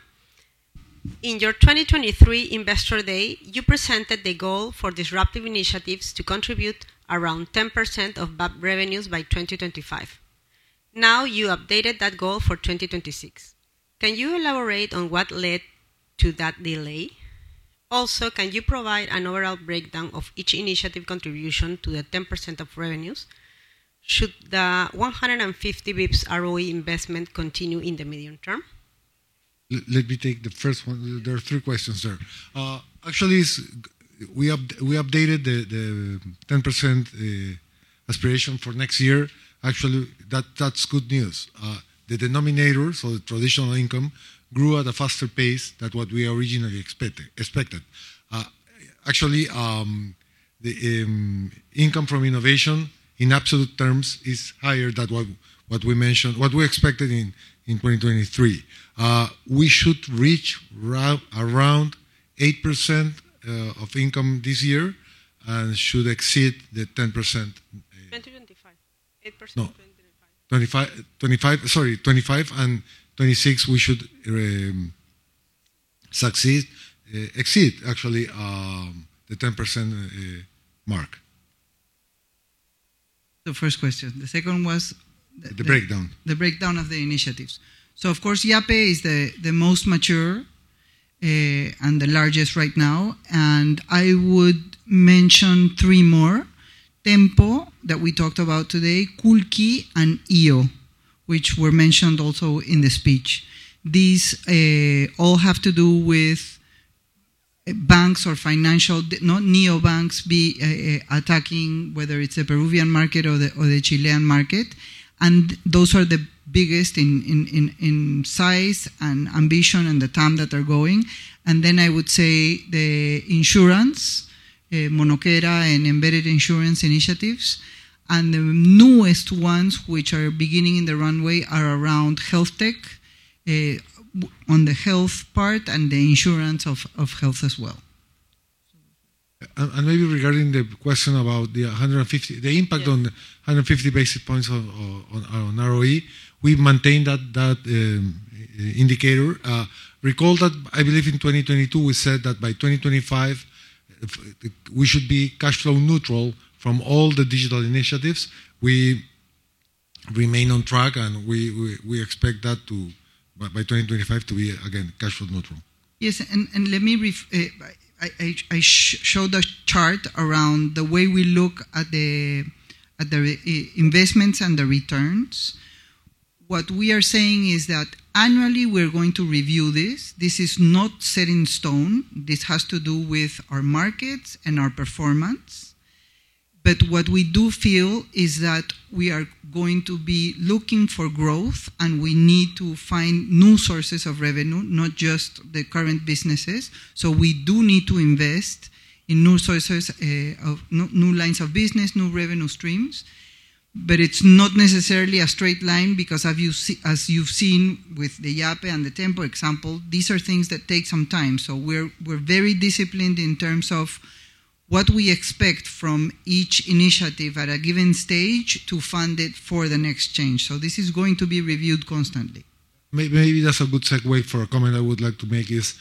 In your 2023 Investor Day, you presented the goal for disruptive initiatives to contribute around 10% of BCP revenues by 2025. Now, you updated that goal for 2026. Can you elaborate on what led to that delay? Also, can you provide an overall breakdown of each initiative contribution to the 10% of revenues? Should the 150 basis points ROE investment continue in the medium term? Let me take the first one. There are three questions there. Actually, we updated the 10% aspiration for next year. Actually, that's good news. The denominator, so the traditional income, grew at a faster pace than what we originally expected. Actually, the income from innovation, in absolute terms, is higher than what we mentioned, what we expected in 2023. We should reach around 8% of income this year and should exceed the 10%. 2025. 8%, 2025. No. 2025? Sorry, 2025 and 2026, we should exceed, actually, the 10% mark. The first question. The second was? The breakdown. The breakdown of the initiatives. Of course, Yape is the most mature and the largest right now, and I would mention three more: Tenpo, that we talked about today, Culqi, and iO, which were mentioned also in the speech. These all have to do with banks or financial, not neobanks, attacking, whether it's a Peruvian market or the Chilean market. Those are the biggest in size and ambition and the TAM that are going. Then I would say the insurance, Monokera and embedded insurance initiatives, and the newest ones, which are beginning in the runway, are around health tech, on the health part and the insurance of health as well. Maybe regarding the question about the 150, the impact on the 150 basis points on ROE, we've maintained that indicator. Recall that, I believe in 2022, we said that by 2025, we should be cash flow neutral from all the digital initiatives. We remain on track, and we expect that to by 2025 to be again cashflow neutral. Yes, and let me, I showed a chart around the way we look at the investments and the returns. What we are saying is that annually, we're going to review this. This is not set in stone. This has to do with our markets and our performance. But what we do feel is that we are going to be looking for growth, and we need to find new sources of revenue, not just the current businesses. So we do need to invest in new sources of new lines of business, new revenue streams. But it's not necessarily a straight line because as you've seen with the Yape and the Tenpo example, these are things that take some time. We're very disciplined in terms of what we expect from each initiative at a given stage to fund it for the next change. So this is going to be reviewed constantly. Maybe that's a good segue for a comment I would like to make is,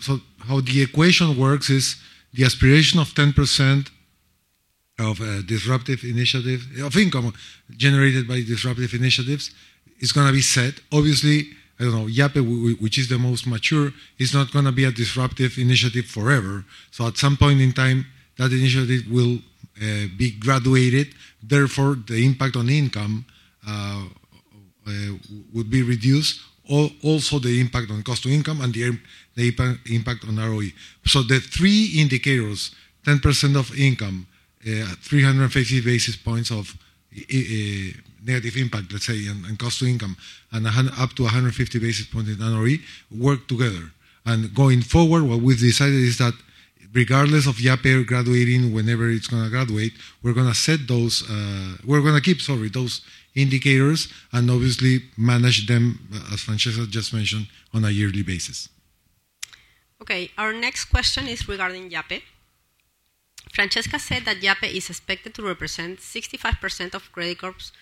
so how the equation works is the aspiration of 10% of disruptive initiative of income generated by disruptive initiatives is gonna be set. Obviously, I don't know, Yape, which is the most mature, is not gonna be a disruptive initiative forever. So at some point in time, that initiative will be graduated, therefore, the impact on income will be reduced. Also, the impact on cost to income and the impact on ROE. So the three indicators, 10% of income, 350 basis points of negative impact, let's say, on cost to income, and up to 150 basis points in ROE, work together. Going forward, what we've decided is that regardless of Yape graduating whenever it's gonna graduate, we're gonna keep, sorry, those indicators and obviously manage them, as Francesca just mentioned, on a yearly basis. Okay, our next question is regarding Yape. Francesca said that Yape is expected to represent 65% of Credicorp's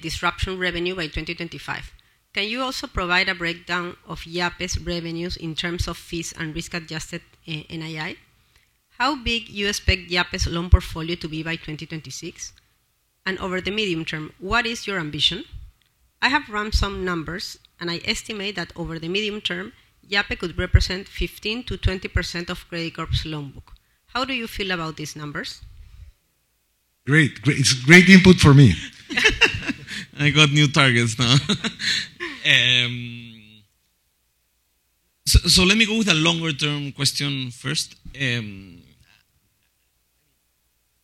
disruption revenue by 2025. Can you also provide a breakdown of Yape's revenues in terms of fees and risk-adjusted NII? How big you expect Yape's loan portfolio to be by 2026? And over the medium term, what is your ambition? I have run some numbers, and I estimate that over the medium term, Yape could represent 15%-20% of Credicorp's loan book. How do you feel about these numbers? Great. Great. It's great input for me. I got new targets now. So let me go with a longer-term question first.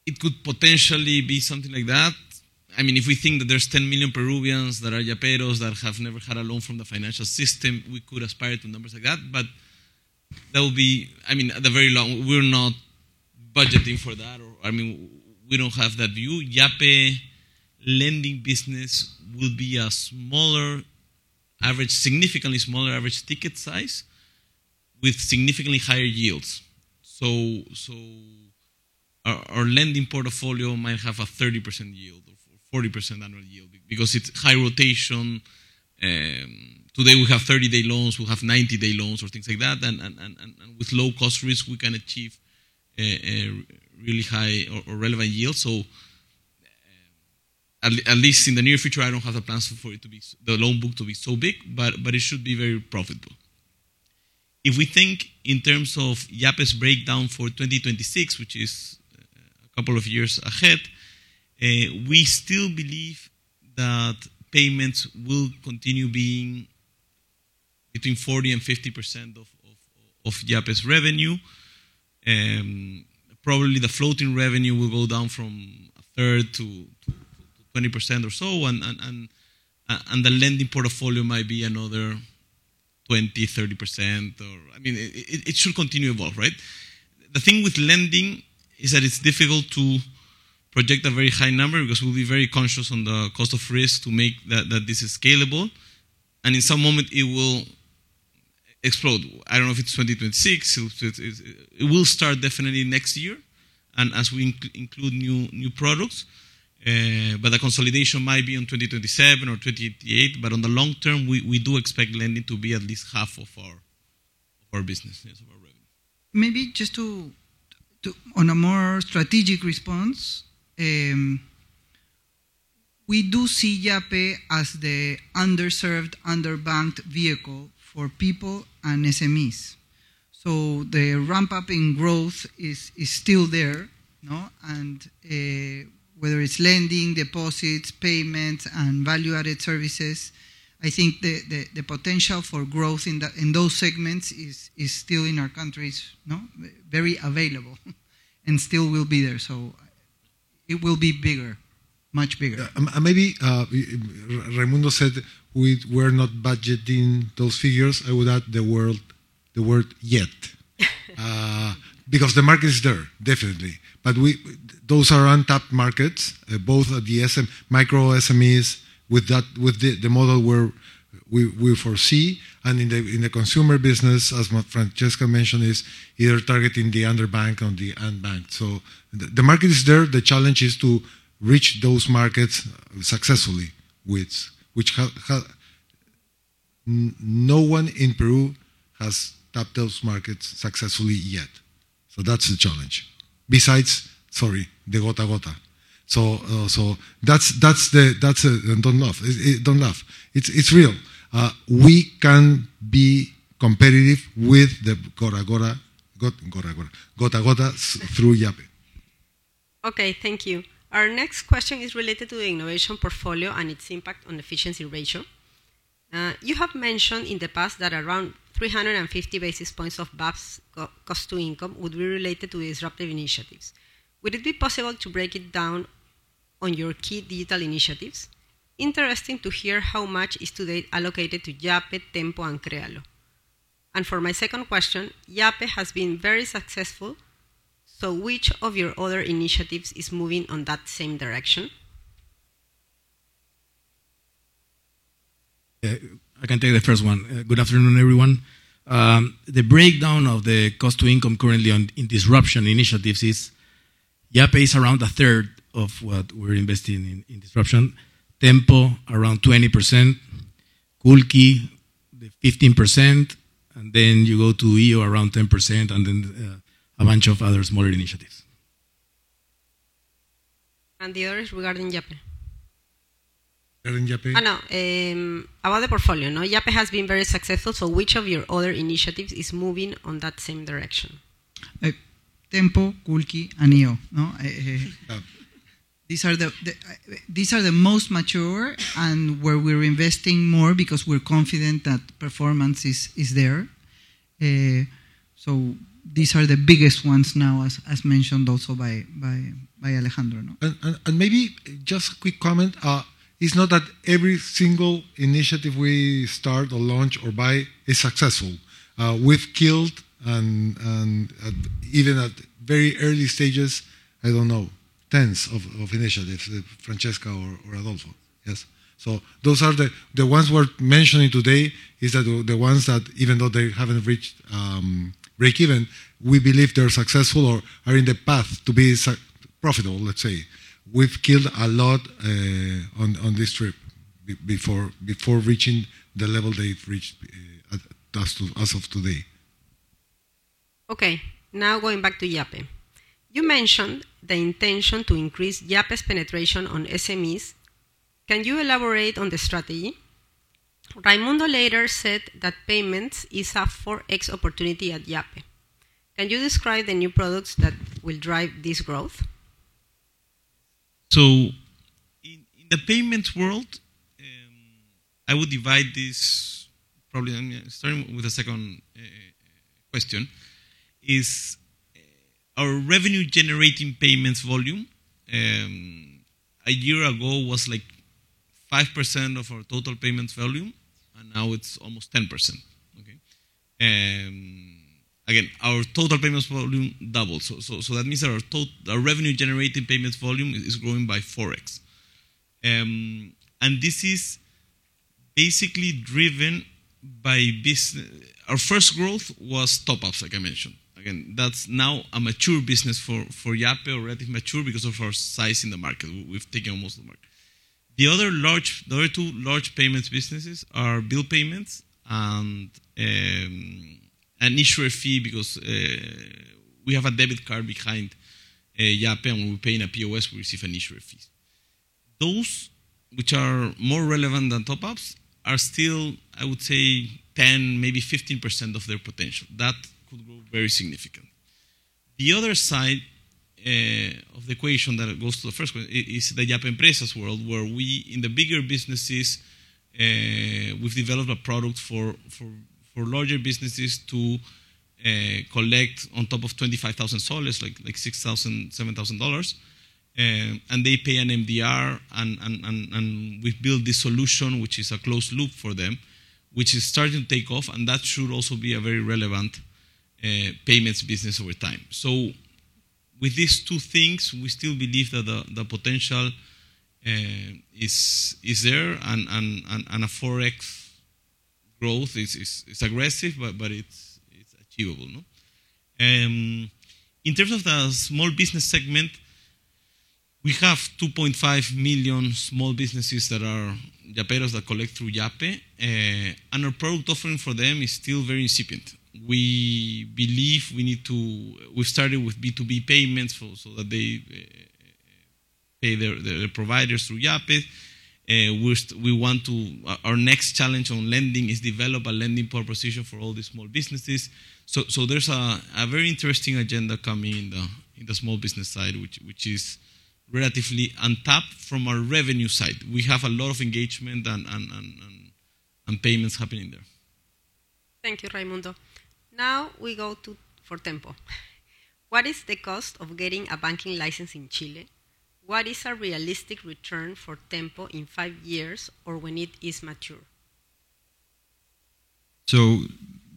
It could potentially be something like that. I mean, if we think that there's ten million Peruvians that are Yapearos, that have never had a loan from the financial system, we could aspire to numbers like that, but that would be, at the very long, we're not budgeting for that, or, I mean, we don't have that view. Yape lending business will be a smaller average, significantly smaller average ticket size, with significantly higher yields. So our lending portfolio might have a 30% yield or 40% annual yield because it's high rotation. Today, we have 30-day loans, we have 90-day loans or things like that, and with low-cost risk, we can achieve a really high or relevant yield. At least in the near future, I don't have the plans for the loan book to be so big, but it should be very profitable. If we think in terms of Yape's breakdown for 2026, which is a couple of years ahead, we still believe that payments will continue being between 40% and 50% of Yape's revenue. Probably the floating revenue will go down from 1/3 to 20% or so, and the lending portfolio might be another 20%-30%, or. I mean, it should continue to evolve, right? The thing with lending is that it's difficult to project a very high number because we'll be very conscious on the cost of risk to make that this is scalable, and in some moment it will explode. I don't know if it's 2026. It will start definitely next year, and as we include new products, but the consolidation might be in 2027 or 2028. But on the long term, we do expect lending to be at least half of our business. Yes, of our revenue. Maybe just on a more strategic response, we do see Yape as the underserved, underbanked vehicle for people and SMEs. So the ramp-up in growth is still there, no? And whether it's lending, deposits, payments, and value-added services, I think the potential for growth in those segments is still in our countries, no? Very available, and still will be there. So it will be bigger, much bigger. Yeah. And maybe Raimundo said we're not budgeting those figures. I would add the word "yet." Because the market is there, definitely. But those are untapped markets, both at the SME, micro SMEs, with the model where we foresee, and in the consumer business, as Francesca mentioned, either targeting the underbanked or the unbanked. So the market is there. The challenge is to reach those markets successfully, which no one in Peru has tapped those markets successfully yet. So that's the challenge. Besides the Gota Gota. Don't laugh. It's real. We can be competitive with the Gota Gota through Yape. Okay, thank you. Our next question is related to the innovation portfolio and its impact on efficiency ratio. You have mentioned in the past that around three hundred and fifty basis points of BCP's cost-to-income would be related to the disruptive initiatives. Would it be possible to break it down on your key digital initiatives? Interesting to hear how much is today allocated to Yape, Tenpo, and Krealo. And for my second question, Yape has been very successful, so which of your other initiatives is moving on that same direction? I can take the first one. Good afternoon, everyone. The breakdown of the cost to income currently on, in disruption initiatives is Yape is around 1/3 of what we're investing in, in disruption. Tenpo, around 20%; Culqi, 15%, and then you go to iO, around 10%, and then, a bunch of other smaller initiatives. The other is regarding Yape. Regarding Yape? No, about the portfolio, no. Yape has been very successful, so which of your other initiatives is moving on that same direction? Tenpo, Culqi, and iO, no? Yeah. These are the most mature and where we're investing more because we're confident that performance is there. So these are the biggest ones now, as mentioned also by Alejandro, no? Maybe just a quick comment. It's not that every single initiative we start, or launch, or buy is successful. We've killed and even at very early stages, I don't know, tens of initiatives, Francesca or Adolfo. Yes. So those are the ones we're mentioning today is that the ones that even though they haven't reached break even, we believe they're successful or are in the path to be profitable, let's say. We've killed a lot on this trip before before reaching the level they've reached as of today. Okay, now going back to Yape. You mentioned the intention to increase Yape's penetration on SMEs. Can you elaborate on the strategy? Raimundo later said that payments is a 4x opportunity at Yape. Can you describe the new products that will drive this growth? So in the payments world, I would divide this probably starting with the second question is our revenue generating payments volume a year ago was like 5% of our total payments volume, and now it's almost 10%. Okay? Again, our total payments volume doubled. So that means that our revenue generating payments volume is growing by 4x. And this is basically driven by our first growth was top ups, like I mentioned. Again, that's now a mature business for Yape, already mature because of our size in the market. We've taken almost the market. The other two large payments businesses are bill payments and an issuer fee because we have a debit card behind Yape, and when we pay in a POS, we receive an issuer fees. Those which are more relevant than top ups are still, I would say, 10%, maybe 15% of their potential. That could grow very significant. The other side of the equation that goes to the first question is the Yape Empresas world, where we, in the bigger businesses, we've developed a product for larger businesses to collect on top of PEN 25,000, like $6,000-$7,000, and they pay an MDR and we've built this solution, which is a closed loop for them, which is starting to take off, and that should also be a very relevant payments business over time. So with these two things, we still believe that the potential is there and a 4X growth is aggressive, but it's achievable, no? In terms of the small business segment, we have 2.5 million small businesses that are Yapearos that collect through Yape, and our product offering for them is still very incipient. We believe we need to. We've started with B2B payments so that they pay their providers through Yape. We want to. Our next challenge on lending is develop a lending proposition for all the small businesses. There's a very interesting agenda coming in the small business side, which is relatively untapped from a revenue side. We have a lot of engagement and payments happening there. Thank you, Raimundo. Now we go to for Tenpo. What is the cost of getting a banking license in Chile? What is a realistic return for Tenpo in five years or when it is mature? So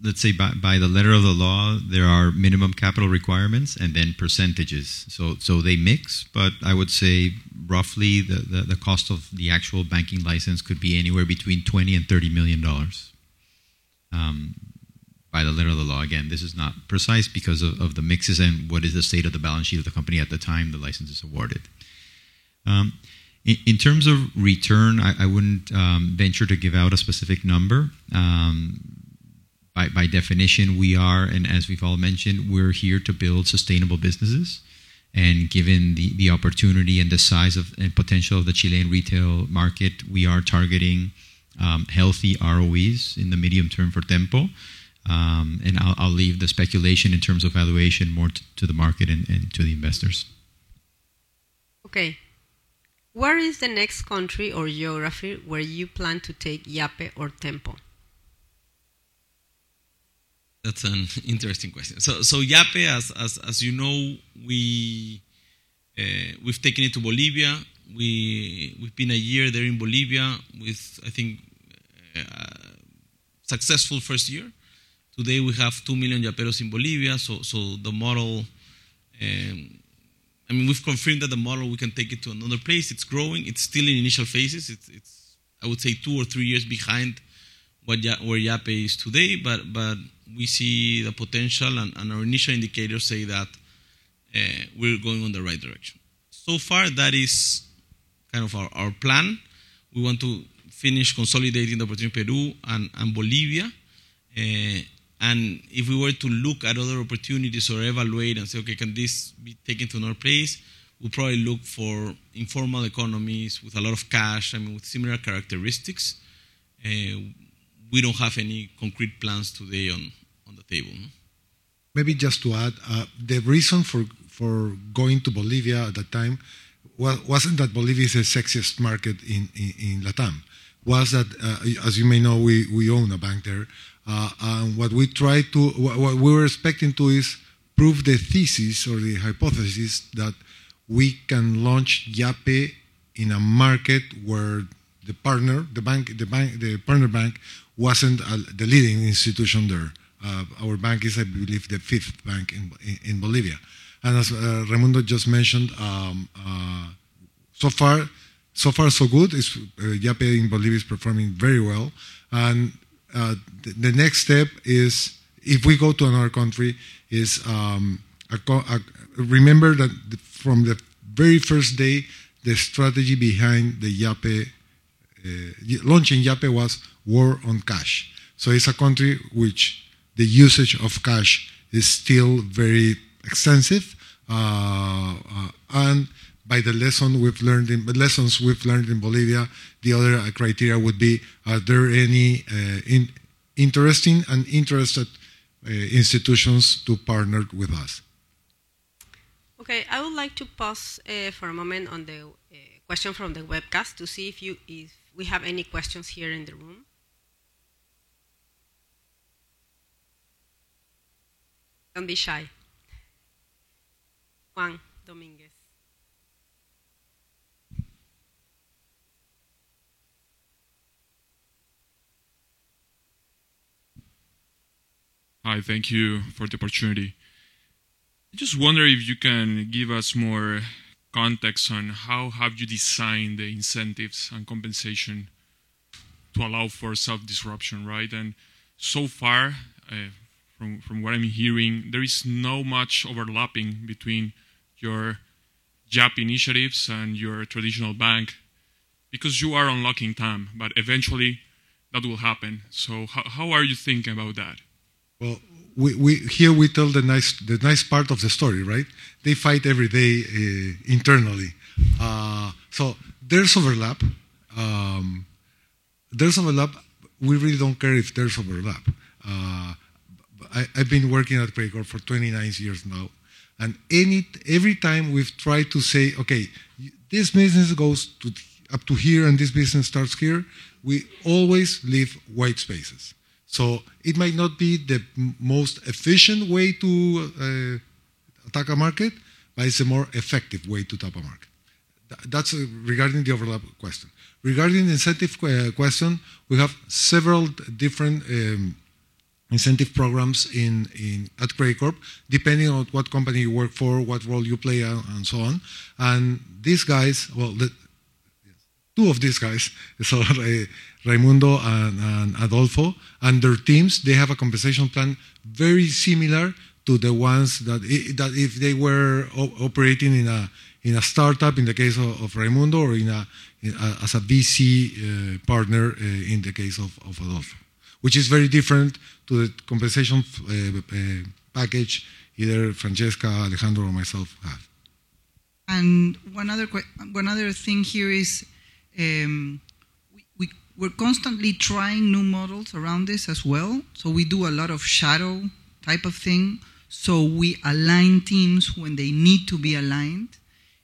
let's say by the letter of the law, there are minimum capital requirements and then percentages. So they mix, but I would say roughly, the cost of the actual banking license could be anywhere between $20 million and $30 million, by the letter of the law. Again, this is not precise because of the mixes and what is the state of the balance sheet of the company at the time the license is awarded. In terms of return, I wouldn't venture to give out a specific number. By definition, we are, and as we've all mentioned, we're here to build sustainable businesses, and given the opportunity and the size of, and potential of the Chilean retail market, we are targeting healthy ROEs in the medium term for Tenpo. I'll leave the speculation in terms of valuation more to the market and to the investors. Okay. Where is the next country or geography where you plan to take Yape or Tenpo? That's an interesting question, so Yape, as you know, we've taken it to Bolivia. We've been a year there in Bolivia with, I think, successful first year. Today, we have two million Yapearos in Bolivia, so the model. We've confirmed that the model, we can take it to another place. It's growing. It's still in initial phases. It's, I would say, two or three years behind what Yape, where Yape is today, but we see the potential, and our initial indicators say that, we're going on the right direction. So far, that is kind of our plan. We want to finish consolidating the opportunity in Peru and Bolivia. If we were to look at other opportunities or evaluate and say: Okay, can this be taken to another place? We'll probably look for informal economies with a lot of cash and with similar characteristics. We don't have any concrete plans today on the table. Maybe just to add, the reason for going to Bolivia at that time wasn't that Bolivia is the sexiest market in Latin. It was that, as you may know, we own a bank there, and what we were expecting to is prove the thesis or the hypothesis that we can launch Yape in a market where the partner bank wasn't the leading institution there. Our bank is, I believe, the fifth bank in Bolivia. And as Raimundo just mentioned, so far, so good. Yape in Bolivia is performing very well. The next step is, if we go to another country, is remember that from the very first day, the strategy behind launching Yape was war on cash. It's a country which the usage of cash is still very extensive, and by the lessons we've learned in Bolivia, the other criteria would be: are there any interesting and interested institutions to partner with us? Okay, I would like to pause for a moment on the question from the webcast to see if we have any questions here in the room. Don't be shy. Juan Dominguez. Hi, thank you for the opportunity. I just wonder if you can give us more context on how you have designed the incentives and compensation to allow for self-disruption, right? And so far, from what I'm hearing, there is not much overlapping between your Yape initiatives and your traditional bank, because you are unlocking TAM, but eventually that will happen. So how are you thinking about that? Here we tell the nice part of the story, right? They fight every day, internally. So there's overlap. There's overlap. We really don't care if there's overlap. I've been working at Credicorp for twenty-nine years now, and every time we've tried to say: "Okay, this business goes up to here, and this business starts here," we always leave white spaces. So it might not be the most efficient way to attack a market, but it's a more effective way to attack a market. That's regarding the overlap question. Regarding the incentive question, we have several different incentive programs at Credicorp, depending on what company you work for, what role you play, and so on. The two of these guys, so Raimundo and Adolfo and their teams, they have a compensation plan very similar to the ones that if they were operating in a startup, in the case of Raimundo, or as a VC partner, in the case of Adolfo, which is very different to the compensation package either Francesca, Alejandro, or myself have. One other thing here is, we're constantly trying new models around this as well, so we do a lot of shadow type of thing. So we align teams when they need to be aligned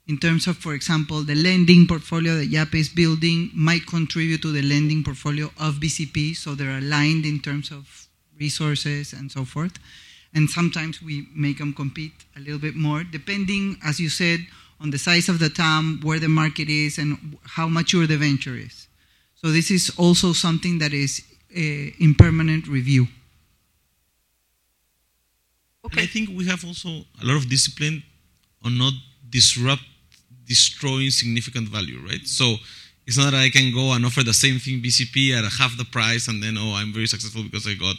in terms of, for example, the lending portfolio that Yape is building might contribute to the lending portfolio of BCP, so they're aligned in terms of resources and so forth. And sometimes we make them compete a little bit more, depending, as you said, on the size of the TAM, where the market is, and how mature the venture is. So this is also something that is in permanent review. Okay. I think we have also a lot of discipline on not disrupt, destroying significant value, right? So it's not that I can go and offer the same thing, BCP, at half the price, and then, oh, I'm very successful because I got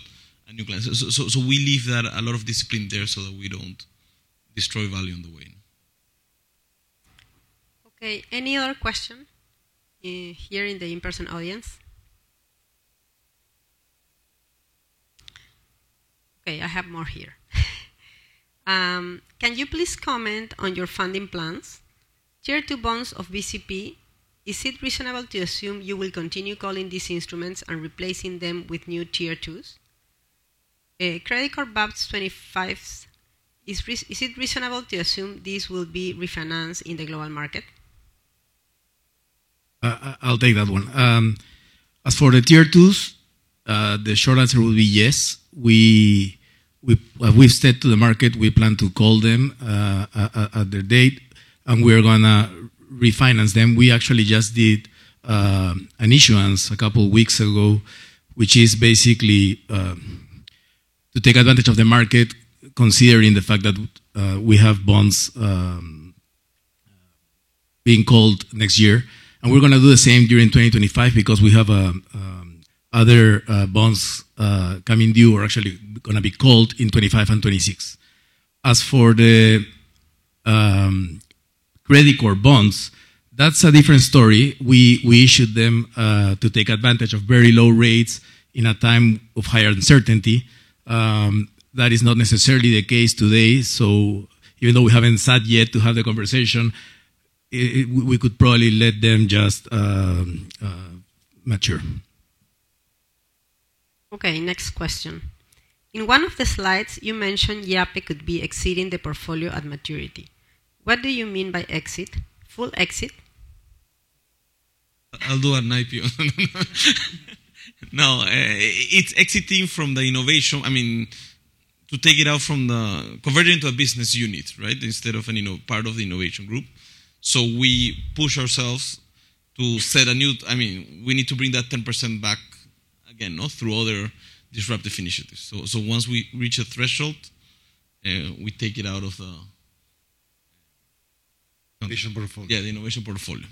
a new client. So, so, so we leave that, a lot of discipline there so that we don't destroy value on the way. Okay, any other question here in the in-person audience? Okay, I have more here. Can you please comment on your funding plans? Tier 2 Bonds of BCP, is it reasonable to assume you will continue calling these instruments and replacing them with new Tier 2s? Credicorp Bonds 25, is it reasonable to assume these will be refinanced in the global market? I'll take that one. As for the Tier 2s, the short answer will be yes. We've said to the market we plan to call them at the date, and we are gonna refinance them. We actually just did an issuance a couple weeks ago, which is basically to take advantage of the market, considering the fact that we have bonds being called next year. We're gonna do the same during 2025 because we have other bonds coming due, or actually gonna be called in 2025 and 2026. As for the Credicorp bonds, that's a different story. We issued them to take advantage of very low rates in a time of higher uncertainty. That is not necessarily the case today. So even though we haven't sat yet to have the conversation, we could probably let them just mature. Okay, next question: In one of the slides, you mentioned Yape could be exceeding the portfolio at maturity. What do you mean by exit? Full exit? I'll do an IPO. No, it's exiting from the innovation. I mean, to take it out, convert it into a business unit, right? Instead of an innovation part of the innovation group. So we push ourselves to set a new, I mean, we need to bring that 10% back again, through other disruptive initiatives. So once we reach a threshold, we take it out of the. Innovation portfolio. Yeah, the innovation portfolio.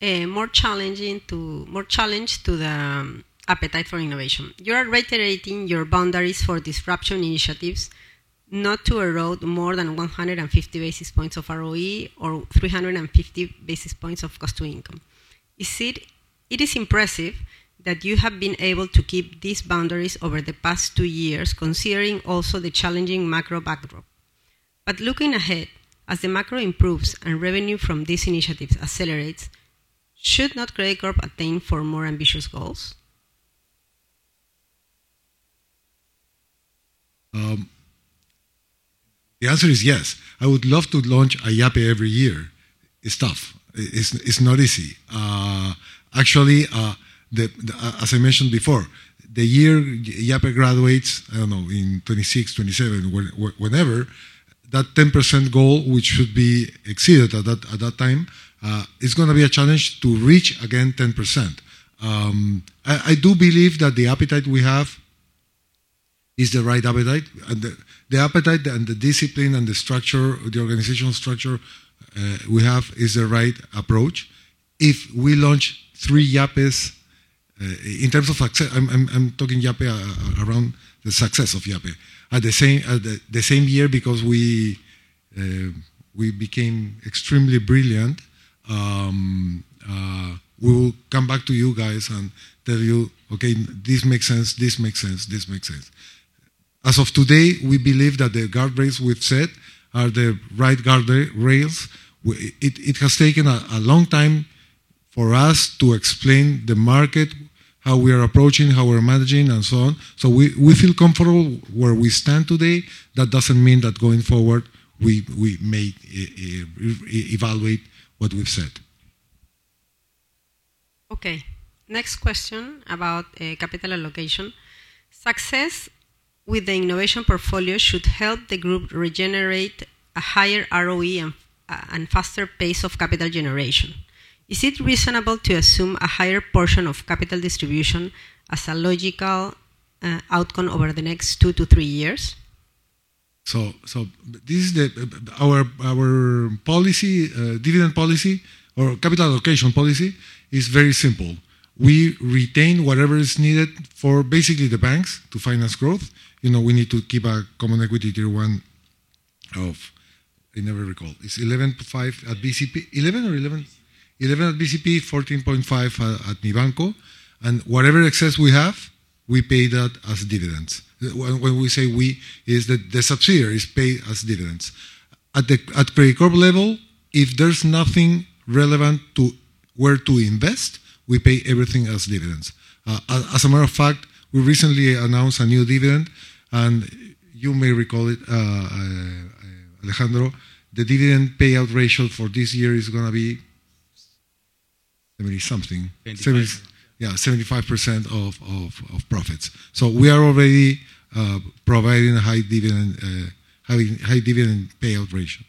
Yeah. More challenge to the appetite for innovation. You are reiterating your boundaries for disruption initiatives not to erode more than 150 basis points of ROE or three hundred and fifty basis points of cost to income. It is impressive that you have been able to keep these boundaries over the past two years, considering also the challenging macro backdrop. But looking ahead, as the macro improves and revenue from these initiatives accelerates, should not Credicorp attain for more ambitious goals? The answer is yes. I would love to launch a Yape every year. It's tough. It's not easy. Actually, as I mentioned before, the year Yape graduates, I don't know, in 2026, 2027, whenever, that 10% goal, which should be exceeded at that time, is gonna be a challenge to reach again 10%. I do believe that the appetite we have is the right appetite, and the appetite and the discipline and the structure, the organizational structure, we have is the right approach. If we launch three Yapes, in terms of access, I'm talking Yape around the success of Yape. At the same time, in the same year, because we became extremely brilliant, we will come back to you guys and tell you: "Okay, this makes sense, this makes sense, this makes sense." As of today, we believe that the guardrails we've set are the right guardrails. It has taken a long time for us to explain the market, how we are approaching, how we're managing, and so on. So we feel comfortable where we stand today. That doesn't mean that going forward, we may evaluate what we've said. Okay, next question about capital allocation. Success with the innovation portfolio should help the group regenerate a higher ROE and faster pace of capital generation. Is it reasonable to assume a higher portion of capital distribution as a logical outcome over the next two to three years? Our dividend policy or capital allocation policy is very simple. We retain whatever is needed for basically the banks to finance growth. You know, we need to keep our Common Equity Tier 1 of, I never recall. It's 11.5 at BCP. 11 or 11? 11% at BCP, 14.5% at Mibanco, and whatever excess we have, we pay that as dividends. When we say we, the subsidiary is paid as dividends. At Credicorp level, if there's nothing relevant to where to invest, we pay everything as dividends. As a matter of fact, we recently announced a new dividend, and you may recall it, Alejandro. The dividend payout ratio for this year is gonna be 70 something. Yeah, 75% of profits. So we are already providing a high dividend payout ratio.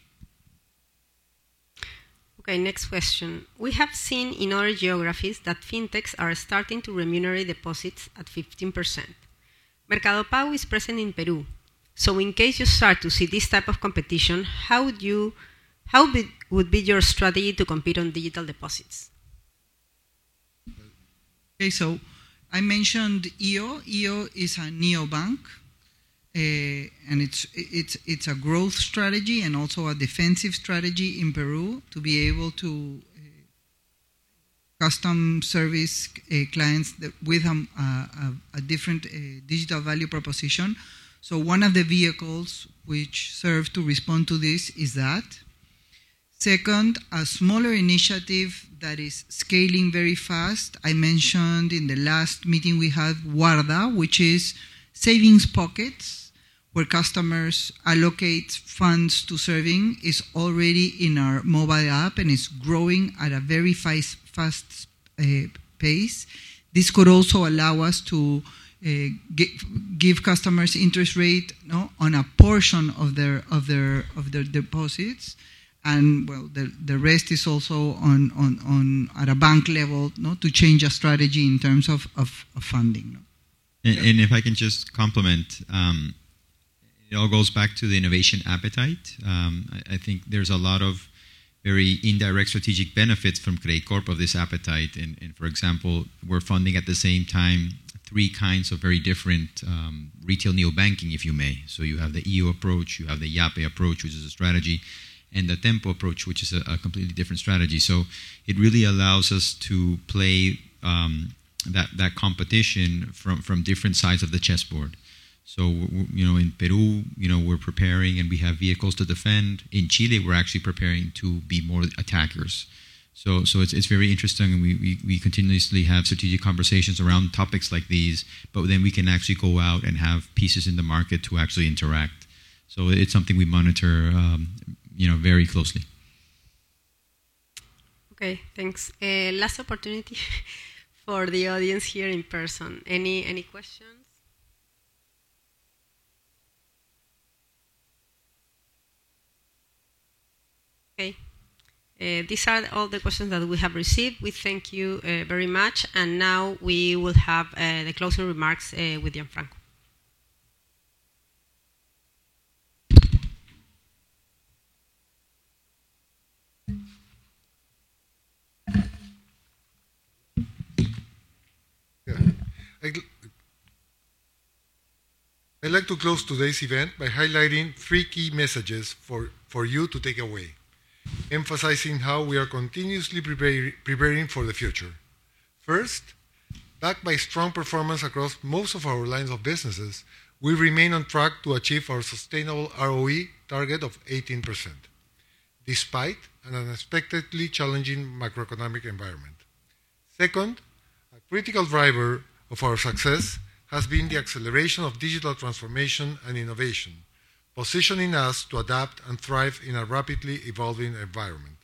Okay, next question: We have seen in other geographies that fintechs are starting to remunerate deposits at 15%. Mercado Pago is present in Peru, so in case you start to see this type of competition, how would be your strategy to compete on digital deposits? Okay, so I mentioned iO. IO is a neobank, and it's a growth strategy and also a defensive strategy in Peru to be able to customer service clients with a different digital value proposition. So one of the vehicles which serve to respond to this is that. Second, a smaller initiative that is scaling very fast. I mentioned in the last meeting we had Warda, which is savings pockets, where customers allocate funds to saving, is already in our mobile app and is growing at a very fast pace. This could also allow us to give customers interest rate, you know, on a portion of their deposits. And, well, the rest is also ongoing at a bank level, you know, to change our strategy in terms of funding. If I can just comment, it all goes back to the innovation appetite. I think there's a lot of very indirect strategic benefits from Credicorp of this appetite. For example, we're funding at the same time three kinds of very different retail neobanking, if you may. You have the iO approach, you have the Yape approach, which is a strategy, and the Tenpo approach, which is a completely different strategy. It really allows us to play that competition from different sides of the chessboard. You know, in Peru, you know, we're preparing, and we have vehicles to defend. In Chile, we're actually preparing to be more attackers. So it's very interesting, and we continuously have strategic conversations around topics like these, but then we can actually go out and have pieces in the market to actually interact. So it's something we monitor, you know, very closely. Okay, thanks. Last opportunity for the audience here in person. Any questions? Okay, these are all the questions that we have received. We thank you very much, and now we will have the closing remarks with Gianfranco. Yeah. I'd like to close today's event by highlighting three key messages for you to take away, emphasizing how we are continuously preparing for the future. First, backed by strong performance across most of our lines of businesses, we remain on track to achieve our sustainable ROE target of 18%, despite an unexpectedly challenging macroeconomic environment. Second, a critical driver of our success has been the acceleration of digital transformation and innovation, positioning us to adapt and thrive in a rapidly evolving environment.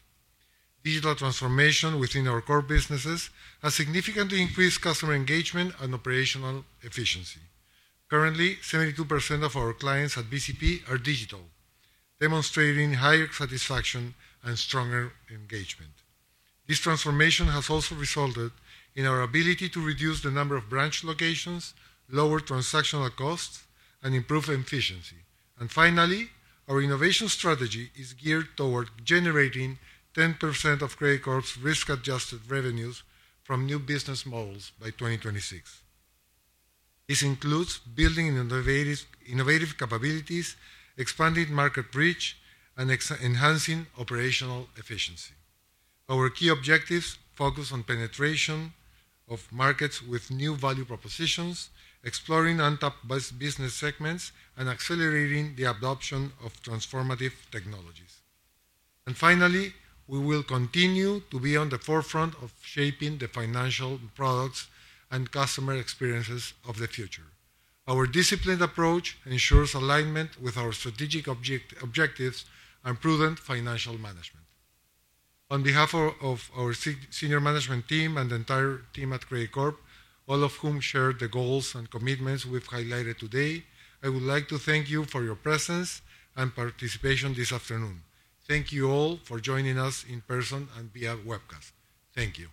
Digital transformation within our core businesses has significantly increased customer engagement and operational efficiency. Currently, 72% of our clients at BCP are digital, demonstrating higher satisfaction and stronger engagement. This transformation has also resulted in our ability to reduce the number of branch locations, lower transactional costs, and improve efficiency. And finally, our innovation strategy is geared toward generating 10% of Credicorp's risk-adjusted revenues from new business models by 2026. This includes building innovative capabilities, expanding market reach, and enhancing operational efficiency. Our key objectives focus on penetration of markets with new value propositions, exploring untapped business segments, and accelerating the adoption of transformative technologies. And finally, we will continue to be on the forefront of shaping the financial products and customer experiences of the future. Our disciplined approach ensures alignment with our strategic objectives and prudent financial management. On behalf of our senior management team and the entire team at Credicorp, all of whom share the goals and commitments we've highlighted today, I would like to thank you for your presence and participation this afternoon. Thank you all for joining us in person and via webcast. Thank you.